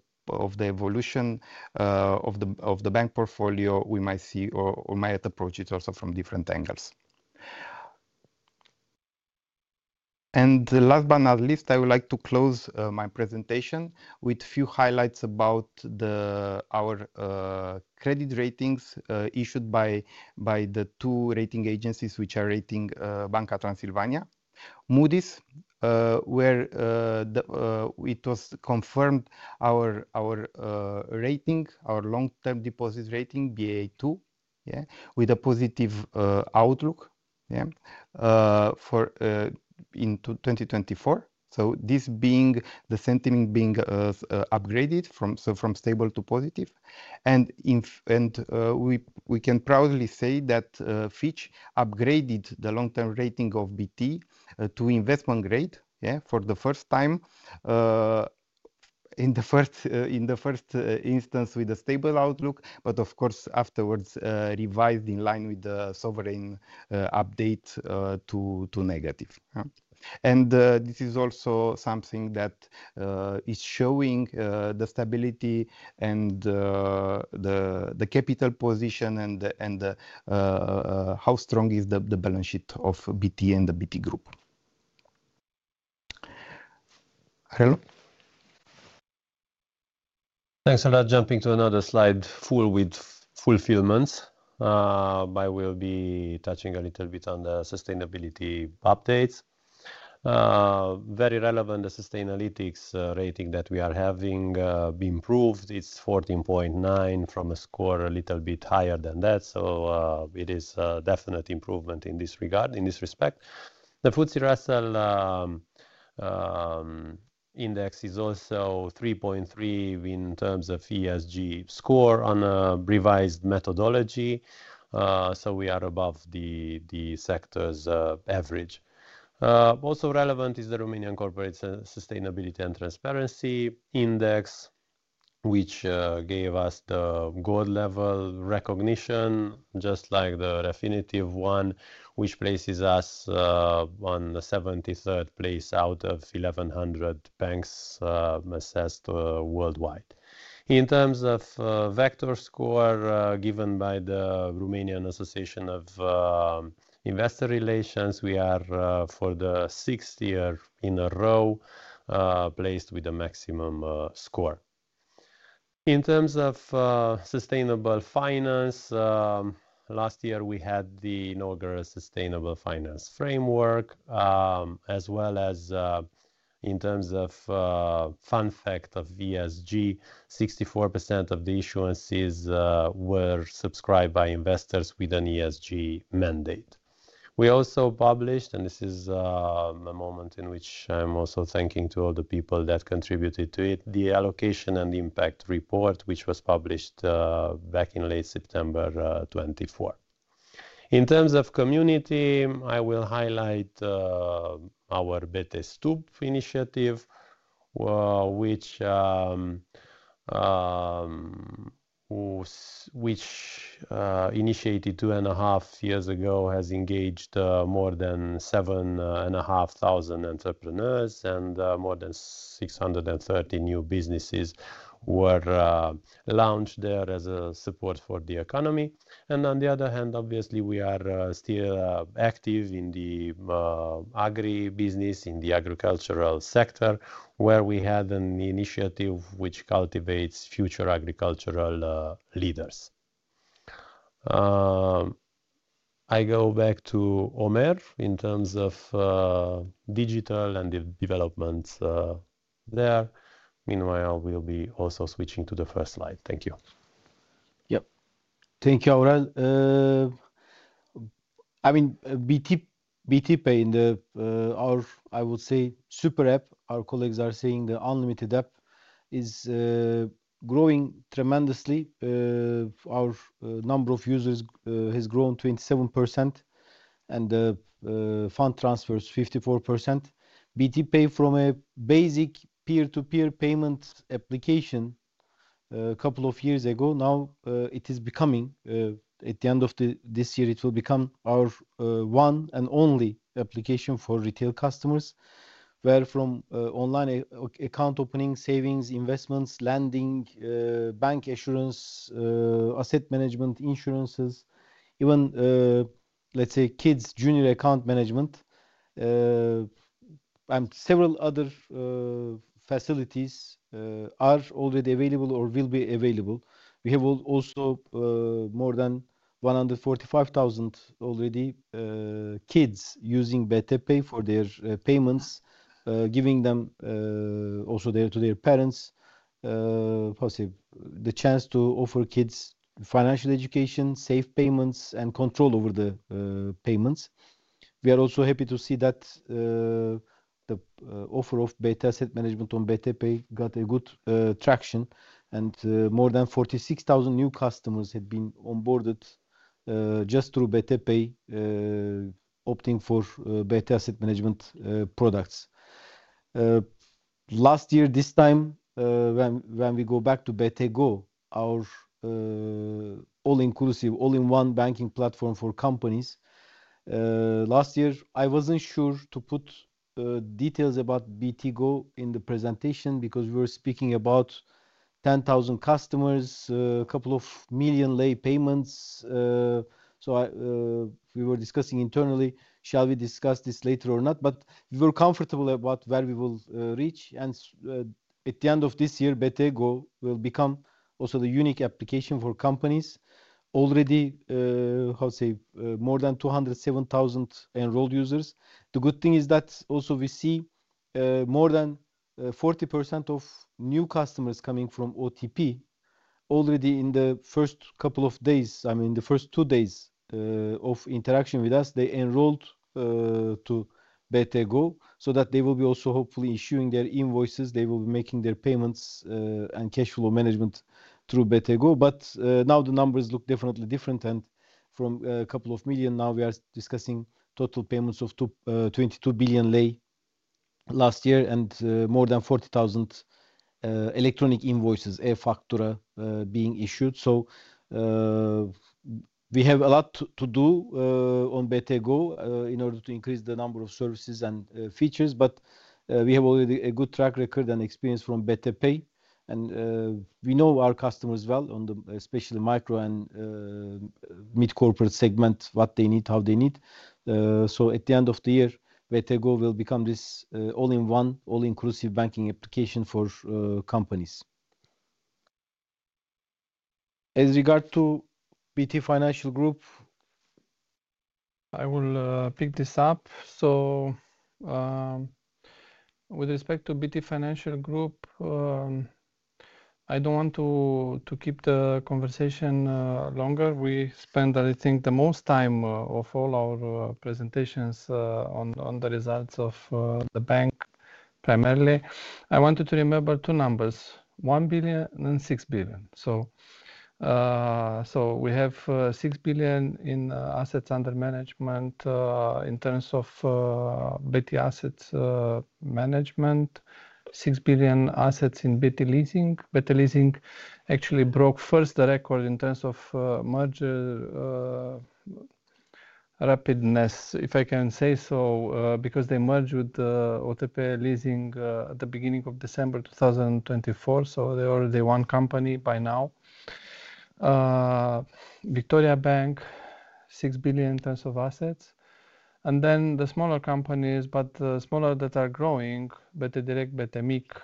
evolution of the bank portfolio, we might see or might approach it also from different angles. Last but not least, I would like to close my presentation with a few highlights about our credit ratings issued by the two rating agencies which are rating Banca Transilvania, Moody's, where it was confirmed our rating, our long-term deposit rating, BA2, with a positive outlook in 2024. So, this being the sentiment being upgraded from stable to positive. And we can proudly say that Fitch upgraded the long-term rating of BT to investment grade for the first time in the first instance with a stable outlook, but of course afterwards revised in line with the sovereign update to negative. And this is also something that is showing the stability and the capital position and how strong is the balance sheet of BT and the BT group. Hello? Thanks a lot. Jumping to another slide full with fulfillments. I will be touching a little bit on the sustainability updates. Very relevant, the Sustainalytics rating that we are having improved. It's 14.9 from a score a little bit higher than that. So it is a definite improvement in this regard, in this respect. The FTSE Russell index is also 3.3 in terms of ESG score on a revised methodology. So we are above the sector's average. Also relevant is the Romanian Corporate Sustainability and Transparency Index, which gave us the gold level recognition, just like the Refinitiv one, which places us on the 73rd place out of 1,100 banks assessed worldwide. In terms of vector score given by the Romanian Association of Investor Relations, we are for the sixth year in a row placed with a maximum score. In terms of sustainable finance, last year we had the inaugural sustainable finance framework, as well as in terms of fun fact of ESG, 64% of the issuances were subscribed by investors with an ESG mandate. We also published, and this is a moment in which I'm also thanking to all the people that contributed to it, the allocation and impact report, which was published back in late September 2024. In terms of community, I will highlight our Stup initiative, which initiated two and a half years ago, has engaged more than seven and a half thousand entrepreneurs and more than 630 new businesses were launched there as a support for the economy. On the other hand, obviously, we are still active in the agribusiness, in the agricultural sector, where we had an initiative which cultivates future agricultural leaders. I go back to Ömer in terms of digital and developments there. Meanwhile, we'll be also switching to the first slide. Thank you. Yep. Thank you, Aurel. I mean, BT Pay and our, I would say, super app, our colleagues are saying the unlimited app is growing tremendously. Our number of users has grown 27% and fund transfers 54%. BT Pay from a basic peer-to-peer payment application a couple of years ago. Now it is becoming, at the end of this year, it will become our one and only application for retail customers, where from online account opening, savings, investments, lending, bank assurance, asset management, insurances, even, let's say, kids' junior account management, and several other facilities are already available or will be available. We have also more than 145,000 already kids using BT Pay for their payments, giving them also to their parents the chance to offer kids financial education, safe payments, and control over the payments. We are also happy to see that the offer of BT Asset Management on BT Pay got a good traction and more than 46,000 new customers had been onboarded just through BT Pay, opting for BT Asset Management products. Last year, this time, when we go back to BT Go, our all-inclusive, all-in-one banking platform for companies, last year, I wasn't sure to put details about BT Go in the presentation because we were speaking about 10,000 customers, a couple of million lei payments. So we were discussing internally, shall we discuss this later or not, but we were comfortable about where we will reach, and at the end of this year, BT Go will become also the unique application for companies. Already, I would say, more than 207,000 enrolled users. The good thing is that also we see more than 40% of new customers coming from OTP already in the first couple of days, I mean, the first two days of interaction with us, they enrolled to BT Go so that they will be also hopefully issuing their invoices, they will be making their payments and cash flow management through BT Go. Now the numbers look definitely different. From a couple of million, now we are discussing total payments of RON 22 billion lei last year and more than 40,000 electronic invoices, e-Factura, being issued. We have a lot to do on BT Go in order to increase the number of services and features, but we have already a good track record and experience from BT Pay. We know our customers well, especially micro and mid-corporate segment, what they need, how they need. At the end of the year, BT Go will become this all-in-one, all-inclusive banking application for companies. As regards BT Financial Group, I will pick this up. With respect to BT Financial Group, I don't want to keep the conversation longer. We spend, I think, the most time of all our presentations on the results of the bank primarily. I wanted to remember two numbers, 1 billion and 6 billion. So we have 6 billion in assets under management in terms of BT Asset Management, 6 billion assets in BT Leasing. BT Leasing actually broke first the record in terms of merger rapidness, if I can say so, because they merged with OTP Leasing at the beginning of December 2024. So they're already one company by now. Victoriabank, 6 billion in terms of assets. And then the smaller companies, but smaller that are growing, BT Direct, BT Mic,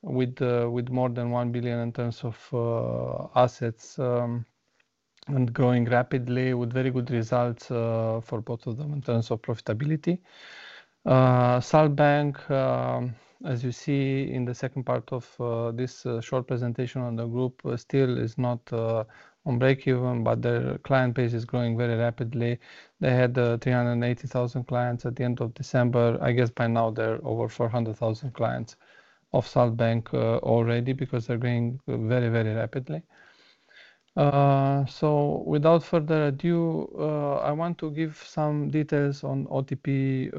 with more than 1 billion in terms of assets and growing rapidly with very good results for both of them in terms of profitability. Salt Bank, as you see in the second part of this short presentation on the group, still is not on breakeven, but their client base is growing very rapidly. They had 380,000 clients at the end of December. I guess by now they're over 400,000 clients of Salt Bank already because they're growing very, very rapidly. So without further ado, I want to give some details on OTP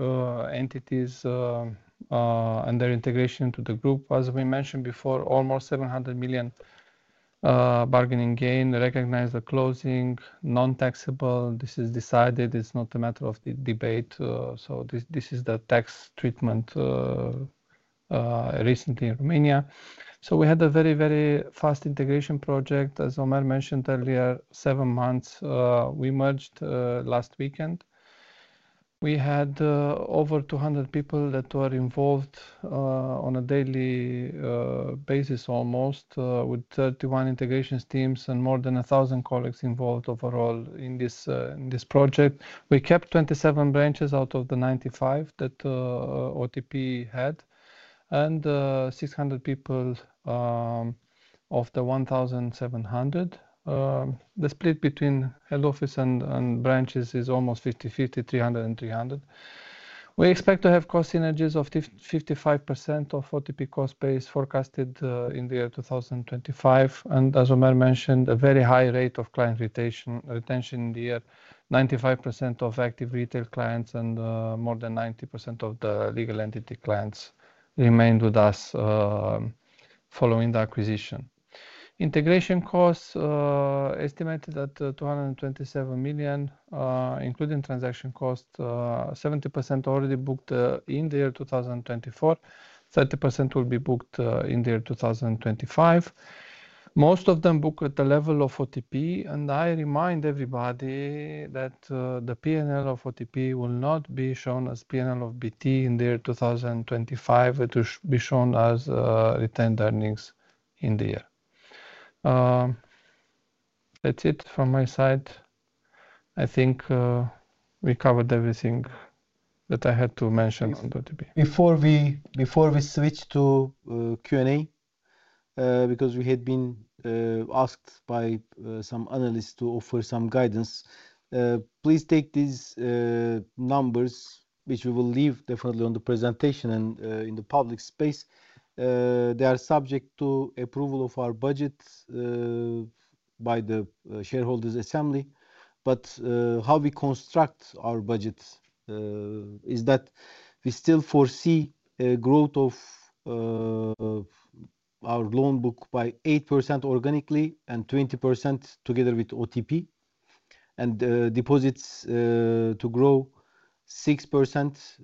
entities and their integration to the group. As we mentioned before, almost RON 700 million bargaining gain recognized the closing, non-taxable. This is decided. It's not a matter of debate. So this is the tax treatment recently in Romania. So we had a very, very fast integration project, as Ömer mentioned earlier, seven months. We merged last weekend. We had over 200 people that were involved on a daily basis almost with 31 integration teams and more than 1,000 colleagues involved overall in this project. We kept 27 branches out of the 95 that OTP had and 600 people of the 1,700. The split between head office and branches is almost 50-50, 300 and 300. We expect to have cost synergies of 55% of OTP cost base forecasted in the year 2025. As Ömer mentioned, a very high rate of client retention in the year, 95% of active retail clients and more than 90% of the legal entity clients remained with us following the acquisition. Integration costs estimated at RON 227 million, including transaction cost, 70% already booked in the year 2024, 30% will be booked in the year 2025. Most of them booked at the level of OTP. I remind everybody that the P&L of OTP will not be shown as P&L of BT in the year 2025. It will be shown as retained earnings in the year. That's it from my side. I think we covered everything that I had to mention on OTP. Before we switch to Q&A, because we had been asked by some analysts to offer some guidance, please take these numbers, which we will leave definitely on the presentation and in the public space. They are subject to approval of our budget by the shareholders' assembly. But how we construct our budget is that we still foresee a growth of our loan book by 8% organically and 20% together with OTP and deposits to grow 6%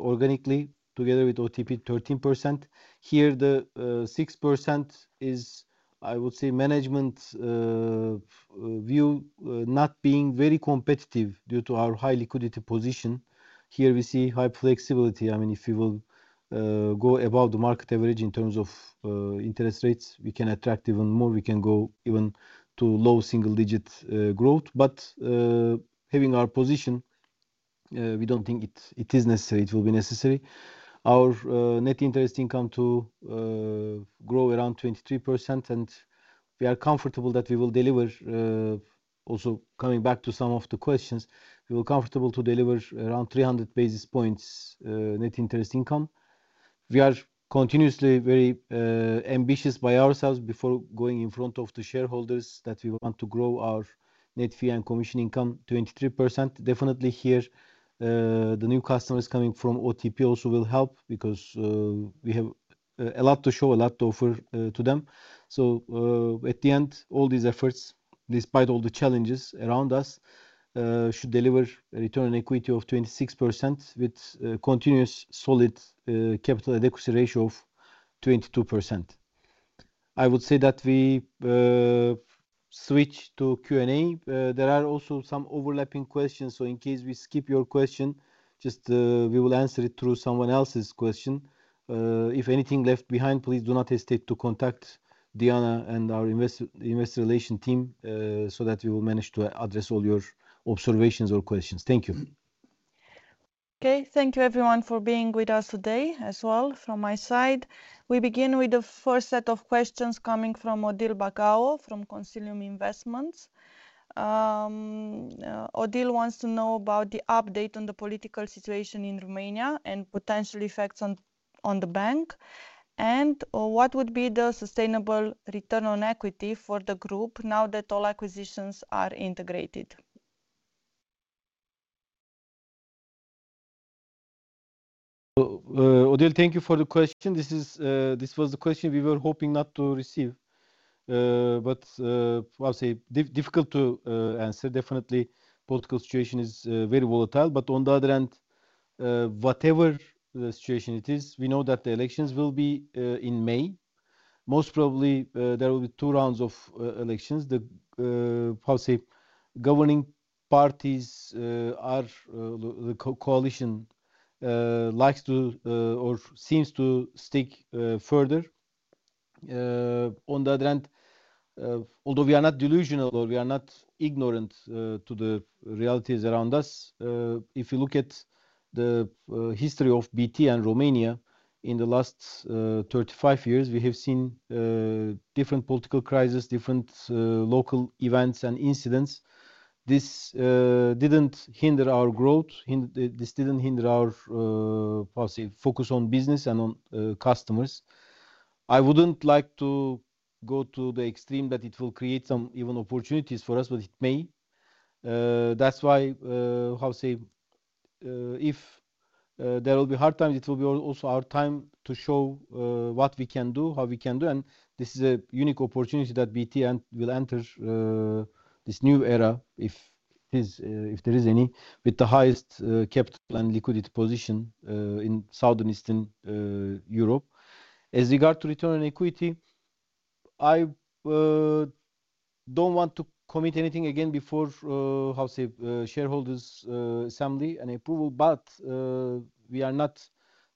organically together with OTP, 13%. Here, the 6% is, I would say, management view not being very competitive due to our high liquidity position. Here we see high flexibility. I mean, if we will go above the market average in terms of interest rates, we can attract even more. We can go even to low single-digit growth. But having our position, we don't think it is necessary. It will be necessary. Our net interest income to grow around 23%, and we are comfortable that we will deliver, also coming back to some of the questions, we will be comfortable to deliver around 300 basis points net interest income. We are continuously very ambitious by ourselves before going in front of the shareholders that we want to grow our net fee and commission income 23%. Definitely here, the new customers coming from OTP also will help because we have a lot to show, a lot to offer to them, so at the end, all these efforts, despite all the challenges around us, should deliver a return on equity of 26% with continuous solid capital adequacy ratio of 22%. I would say that we switch to Q&A. There are also some overlapping questions, so in case we skip your question, just we will answer it through someone else's question. If anything left behind, please do not hesitate to contact Diana and our investor relations team so that we will manage to address all your observations or questions. Thank you. Okay. Thank you, everyone, for being with us today as well from my side. We begin with the first set of questions coming from Odile Bago from Consilium Investments. Odile wants to know about the update on the political situation in Romania and potential effects on the bank and what would be the sustainable return on equity for the group now that all acquisitions are integrated. Odile, thank you for the question. This was the question we were hoping not to receive, but I'll say difficult to answer. Definitely, the political situation is very volatile. But on the other hand, whatever the situation it is, we know that the elections will be in May. Most probably, there will be two rounds of elections. The governing parties, the coalition, likes to or seems to stick further. On the other hand, although we are not delusional or we are not ignorant to the realities around us, if you look at the history of BT and Romania in the last 35 years, we have seen different political crises, different local events and incidents. This didn't hinder our growth. This didn't hinder our focus on business and on customers. I wouldn't like to go to the extreme that it will create some even opportunities for us, but it may. That's why I'll say if there will be hard times, it will be also our time to show what we can do, how we can do. This is a unique opportunity that BT will enter this new era, if there is any, with the highest capital and liquidity position in southeastern Europe. As regards return on equity, I don't want to commit anything again before shareholders' assembly and approval, but we are not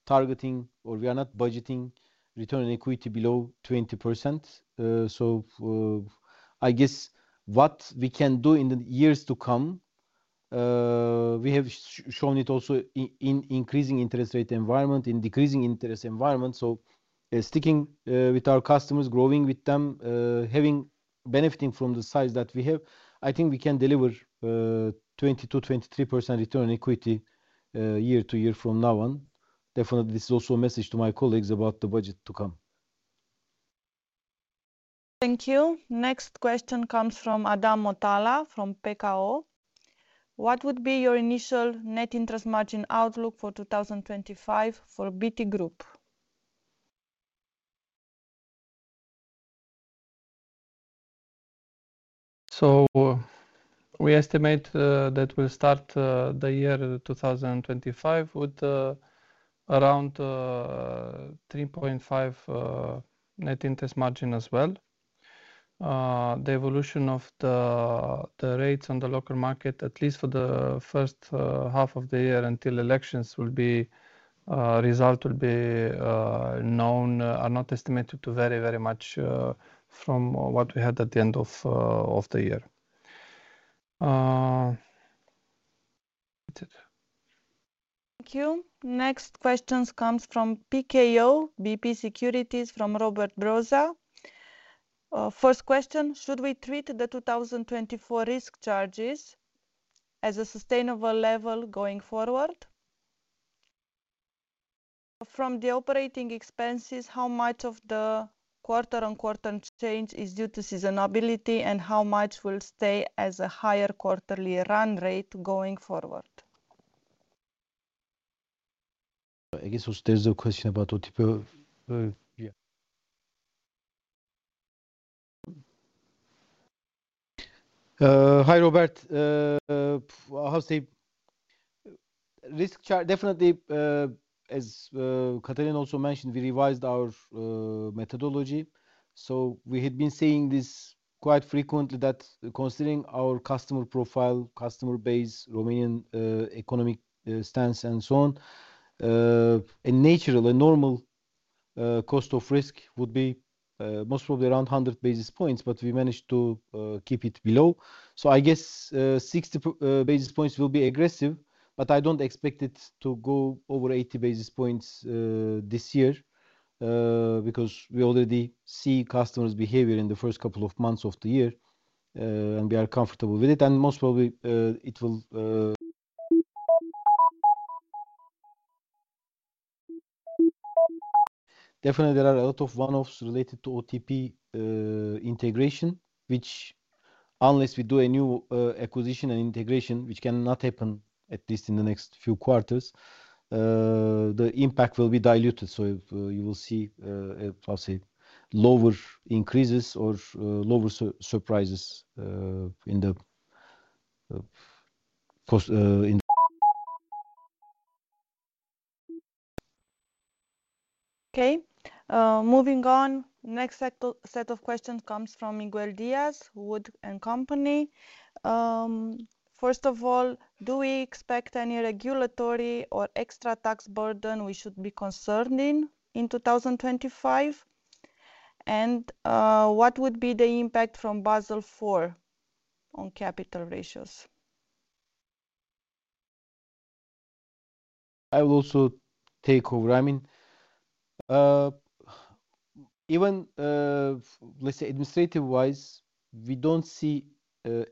targeting or we are not budgeting return on equity below 20%. So I guess what we can do in the years to come, we have shown it also in increasing interest rate environment, in decreasing interest environment. So sticking with our customers, growing with them, benefiting from the size that we have, I think we can deliver 20%-23% return on equity year to year from now on. Definitely, this is also a message to my colleagues about the budget to come. Thank you. Next question comes from Adam Motala from Bank Pekao. What would be your initial net interest margin outlook for 2025 for BT Group? So we estimate that we'll start the year 2025 with around 3.5% net interest margin as well. The evolution of the rates on the local market, at least for the first half of the year until elections, will be known are not estimated to vary very much from what we had at the end of the year. Thank you. Next question comes from PKO BP Securities from Robert Brzoza. First question, should we treat the 2024 risk charges as a sustainable level going forward? From the operating expenses, how much of the quarter-on-quarter change is due to seasonality and how much will stay as a higher quarterly run rate going forward? I guess we'll stay with the question about OTP. Hi, Robert. I'll say risk charge, definitely, as Cătălin also mentioned, we revised our methodology. So we had been saying this quite frequently that considering our customer profile, customer base, Romanian economic stance, and so on, a natural, a normal cost of risk would be most probably around 100 basis points, but we managed to keep it below. So I guess 60 basis points will be aggressive, but I don't expect it to go over 80 basis points this year because we already see customers' behavior in the first couple of months of the year, and we are comfortable with it. And most probably, it will definitely. There are a lot of one-offs related to OTP integration, which unless we do a new acquisition and integration, which cannot happen at least in the next few quarters, the impact will be diluted. So you will see lower increases or lower surprises in the. Okay. Moving on, next set of questions comes from Miguel Diaz, WOOD & Company. First of all, do we expect any regulatory or extra tax burden we should be concerned in 2025? And what would be the impact from Basel IV on capital ratios? I will also take over. I mean, even let's say administrative-wise, we don't see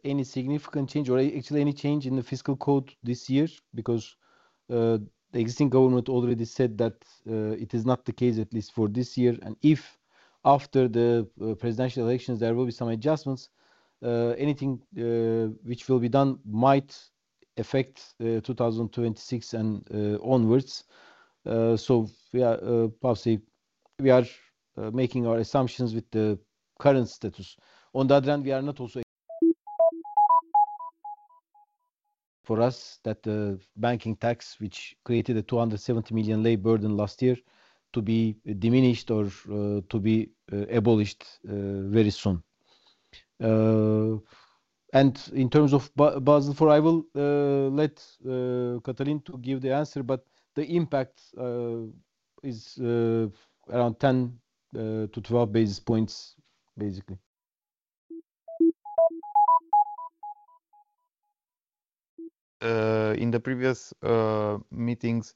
any significant change or actually any change in the fiscal code this year because the existing government already said that it is not the case, at least for this year. And if after the presidential elections, there will be some adjustments, anything which will be done might affect 2026 and onwards. So we are making our assumptions with the current status. On the other hand, we are not also for us that the banking tax, which created a RON 270 million levy burden last year, to be diminished or to be abolished very soon. In terms of Basel IV, let Cătălin give the answer, but the impact is around 10 to 12 basis points, basically. In the previous meetings,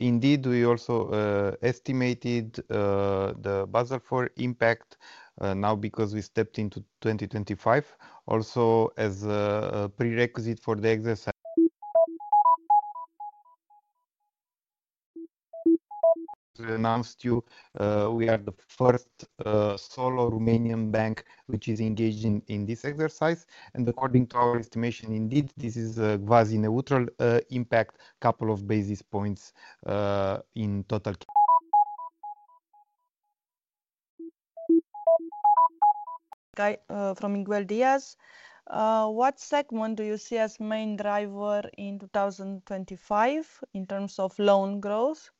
indeed, we also estimated the Basel IV impact now because we stepped into 2025. Also, as a prerequisite for the exercise, we announced to you we are the first solo Romanian bank which is engaged in this exercise. According to our estimation, indeed, this is a quasi-neutral impact, a couple of basis points in total. From Miguel Diaz, what segment do you see as main driver in 2025 in terms of loan growth?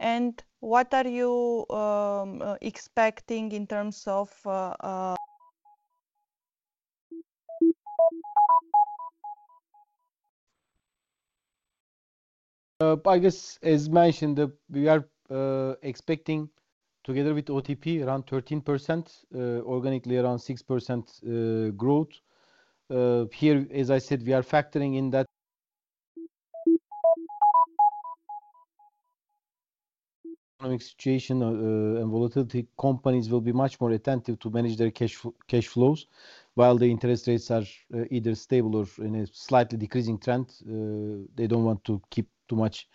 And what are you expecting in terms of? I guess, as mentioned, we are expecting together with OTP, around 13%, organically around 6% growth. Here, as I said, we are factoring in that economic situation and volatility. Companies will be much more attentive to manage their cash flows. While the interest rates are either stable or in a slightly decreasing trend, they don't want to keep too much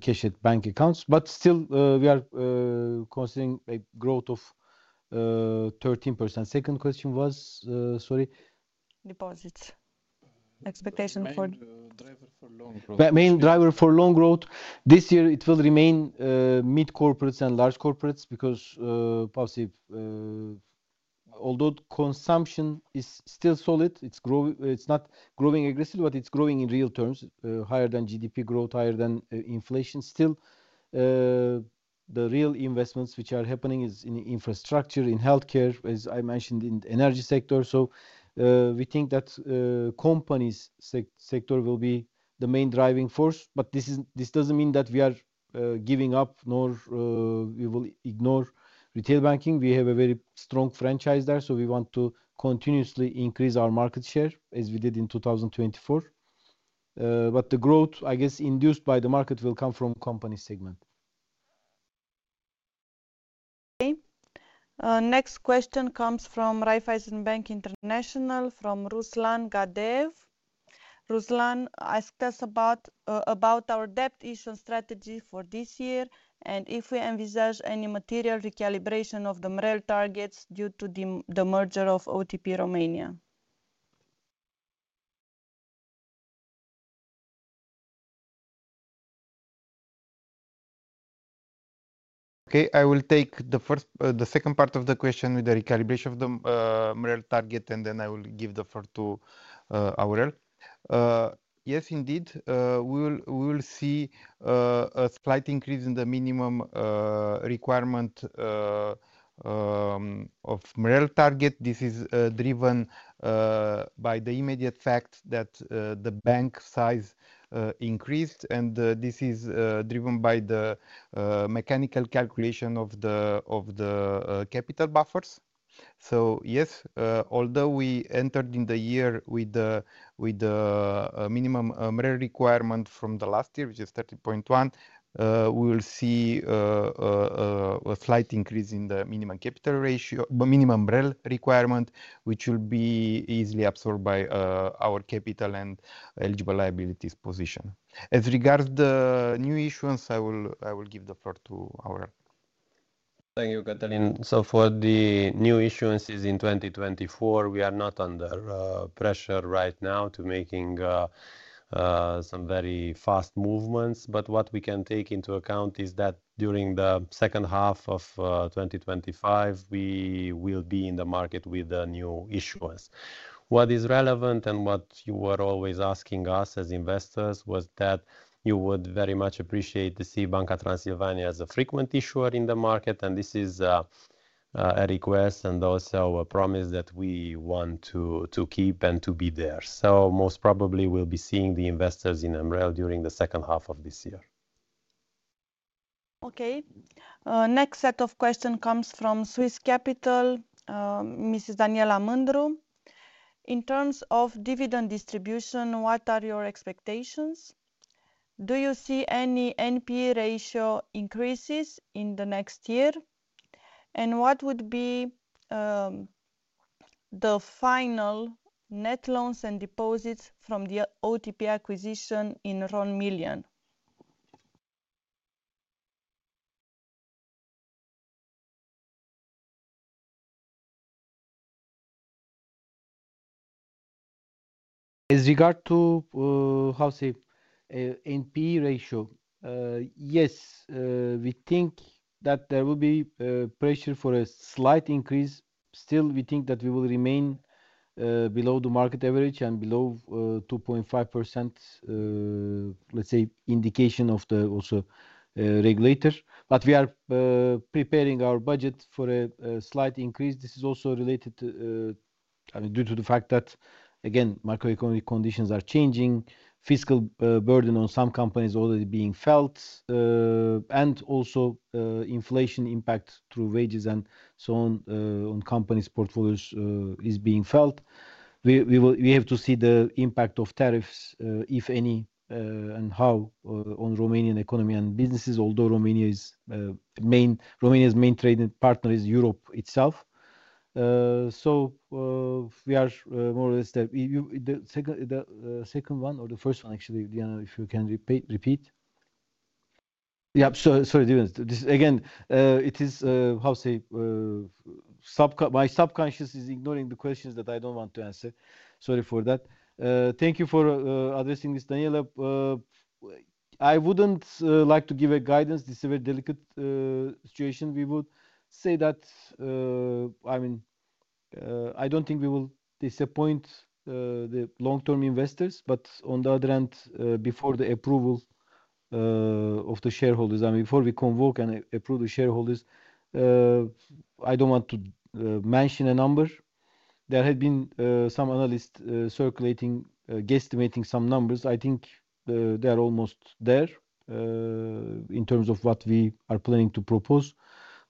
cash at bank accounts. But still, we are considering a growth of 13%. Second question was, sorry. Deposits. Expectation for. Main driver for loan growth. Main driver for loan growth this year, it will remain mid-corporates and large corporates because although consumption is still solid, it's not growing aggressively, but it's growing in real terms, higher than GDP growth, higher than inflation. Still, the real investments which are happening is in infrastructure, in healthcare, as I mentioned, in the energy sector. So we think that companies' sector will be the main driving force. But this doesn't mean that we are giving up nor we will ignore retail banking. We have a very strong franchise there. So we want to continuously increase our market share as we did in 2024. But the growth, I guess, induced by the market will come from company segment. Okay. Next question comes from Raiffeisen Bank International from Ruslan Gadeev. Ruslan asked us about our debt issue strategy for this year and if we envisage any material recalibration of the MREL targets due to the merger of OTP Romania. Okay. I will take the second part of the question with the recalibration of the MREL target, and then I will give the floor to Aurel. Yes, indeed, we will see a slight increase in the minimum requirement of MREL target. This is driven by the immediate fact that the bank size increased, and this is driven by the mechanical calculation of the capital buffers, so yes, although we entered in the year with the minimum MREL requirement from the last year, which is 30.1, we will see a slight increase in the minimum capital ratio, minimum MREL requirement, which will be easily absorbed by our capital and eligible liabilities position. As regards the new issuance, I will give the floor to Aurel. Thank you, Cătălin, so for the new issuances in 2024, we are not under pressure right now to make some very fast movements. But what we can take into account is that during the second half of 2025, we will be in the market with a new issuance. What is relevant and what you were always asking us as investors was that you would very much appreciate to see Banca Transilvania as a frequent issuer in the market, and this is a request and also a promise that we want to keep and to be there. So most probably, we'll be seeing the investors in MREL during the second half of this year. Okay. Next set of questions comes from Swiss Capital, Mrs. Daniela Mândru. In terms of dividend distribution, what are your expectations? Do you see any NPL ratio increases in the next year? And what would be the final net loans and deposits from the OTP acquisition in RON million? As regards to, I'll say, NPL ratio, yes, we think that there will be pressure for a slight increase. Still, we think that we will remain below the market average and below 2.5%, let's say, indication of the also regulator, but we are preparing our budget for a slight increase. This is also related, I mean, due to the fact that, again, macroeconomic conditions are changing, fiscal burden on some companies already being felt, and also inflation impact through wages and so on on companies' portfolios is being felt. We have to see the impact of tariffs, if any, and how on Romanian economy and businesses, although Romania's main trading partner is Europe itself, so we are more or less there. The second one or the first one, actually, Diana, if you can repeat. Yeah, sorry, David. Again, it is, how to say, my subconscious is ignoring the questions that I don't want to answer. Sorry for that. Thank you for addressing this, Daniela. I wouldn't like to give guidance. This is a very delicate situation. We would say that, I mean, I don't think we will disappoint the long-term investors. But on the other hand, before the approval of the shareholders, I mean, before we convoke and approve the shareholders, I don't want to mention a number. There had been some analysts circulating guesstimating some numbers. I think they are almost there in terms of what we are planning to propose.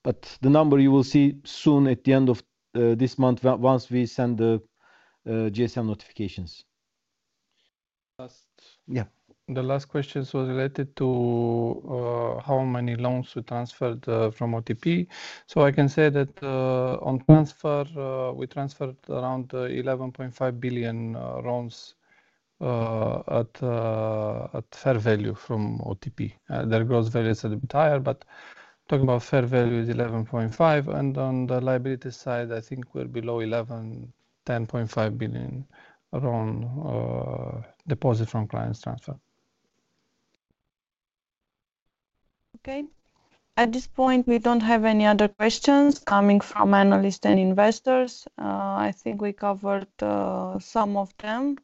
But the number you will see soon at the end of this month once we send the GSM notifications. Yeah, the last question was related to how many loans we transferred from OTP. So I can say that on transfer, we transferred around 11.5 billion RON at fair value from OTP. Their gross value is a bit higher, but talking about fair value is 11.5. And on the liability side, I think we're below 11, 10.5 billion RON deposit from clients' transfer. Okay. At this point, we don't have any other questions coming from analysts and investors. I think we covered some of them.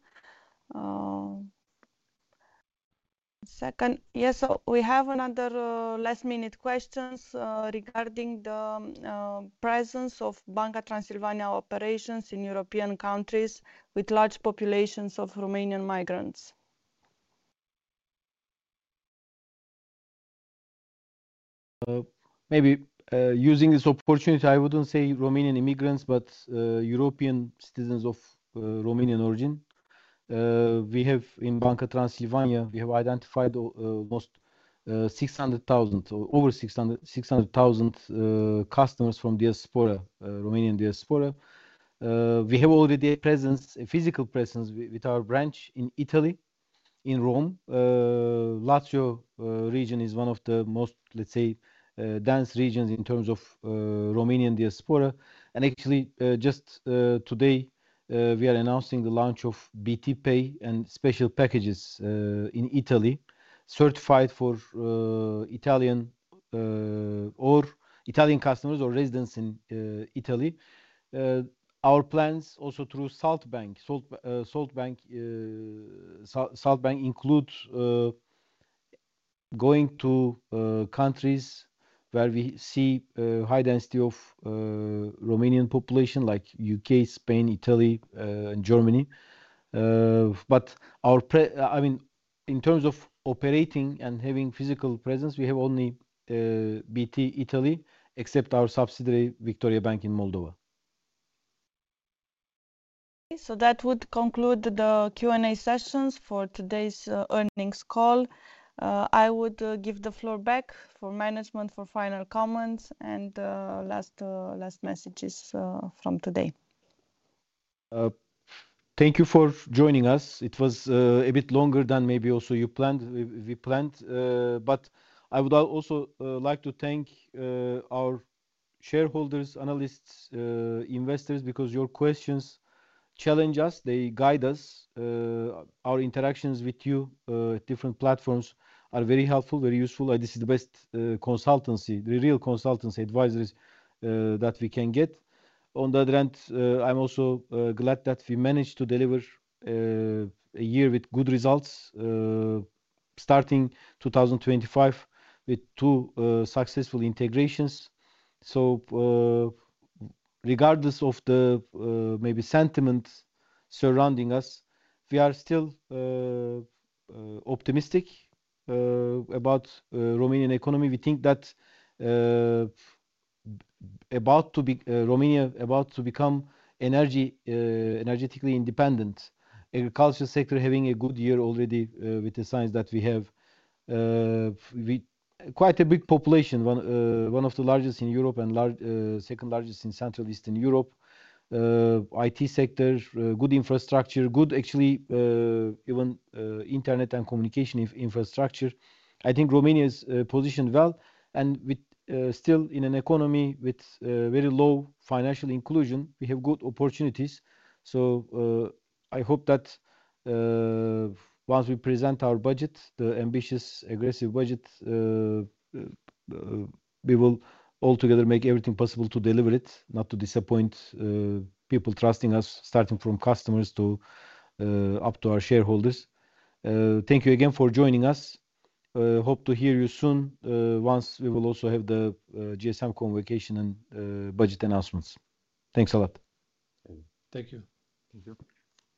Second, yes, so we have another last-minute questions regarding the presence of Banca Transilvania operations in European countries with large populations of Romanian migrants. Maybe using this opportunity, I wouldn't say Romanian immigrants, but European citizens of Romanian origin. We have in Banca Transilvania, we have identified almost 600,000, over 600,000 customers from Diaspora, Romanian Diaspora. We have already a presence, a physical presence with our branch in Italy, in Rome. Lazio region is one of the most, let's say, dense regions in terms of Romanian Diaspora. Actually, just today, we are announcing the launch of BT Pay and special packages in Italy certified for Italian or Italian customers or residents in Italy. Our plans also through Salt Bank. Salt Bank includes going to countries where we see high density of Romanian population like U.K., Spain, Italy, and Germany. But our, I mean, in terms of operating and having physical presence, we have only BT Italy, except our subsidiary Victoriabank in Moldova. Okay. So that would conclude the Q&A sessions for today's earnings call. I would give the floor back for management for final comments and last messages from today. Thank you for joining us. It was a bit longer than maybe also you planned. We planned. But I would also like to thank our shareholders, analysts, investors because your questions challenge us. They guide us. Our interactions with you, different platforms, are very helpful, very useful. This is the best consultancy, the real consultancy advisors that we can get. On the other hand, I'm also glad that we managed to deliver a year with good results, starting 2025 with two successful integrations. So regardless of the maybe sentiment surrounding us, we are still optimistic about the Romanian economy. We think that Romania, about to become energy independent, agriculture sector having a good year already with the signs that we have. Quite a big population, one of the largest in Europe and second largest in Central and Eastern Europe. IT sector, good infrastructure, good actually even internet and communication infrastructure. I think Romania is positioned well, and still in an economy with very low financial inclusion, we have good opportunities. So I hope that once we present our budget, the ambitious, aggressive budget, we will all together make everything possible to deliver it, not to disappoint people trusting us, starting from customers up to our shareholders. Thank you again for joining us. Hope to hear you soon once we will also have the GSM convocation and budget announcements. Thanks a lot. Thank you. Thank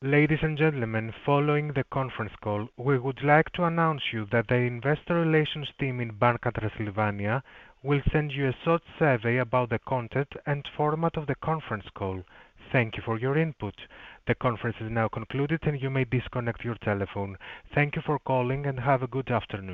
you. Ladies and gentlemen, following the conference call, we would like to announce you that the investor relations team in Banca Transilvania will send you a short survey about the content and format of the conference call. Thank you for your input. The conference is now concluded, and you may disconnect your telephone. Thank you for calling, and have a good afternoon.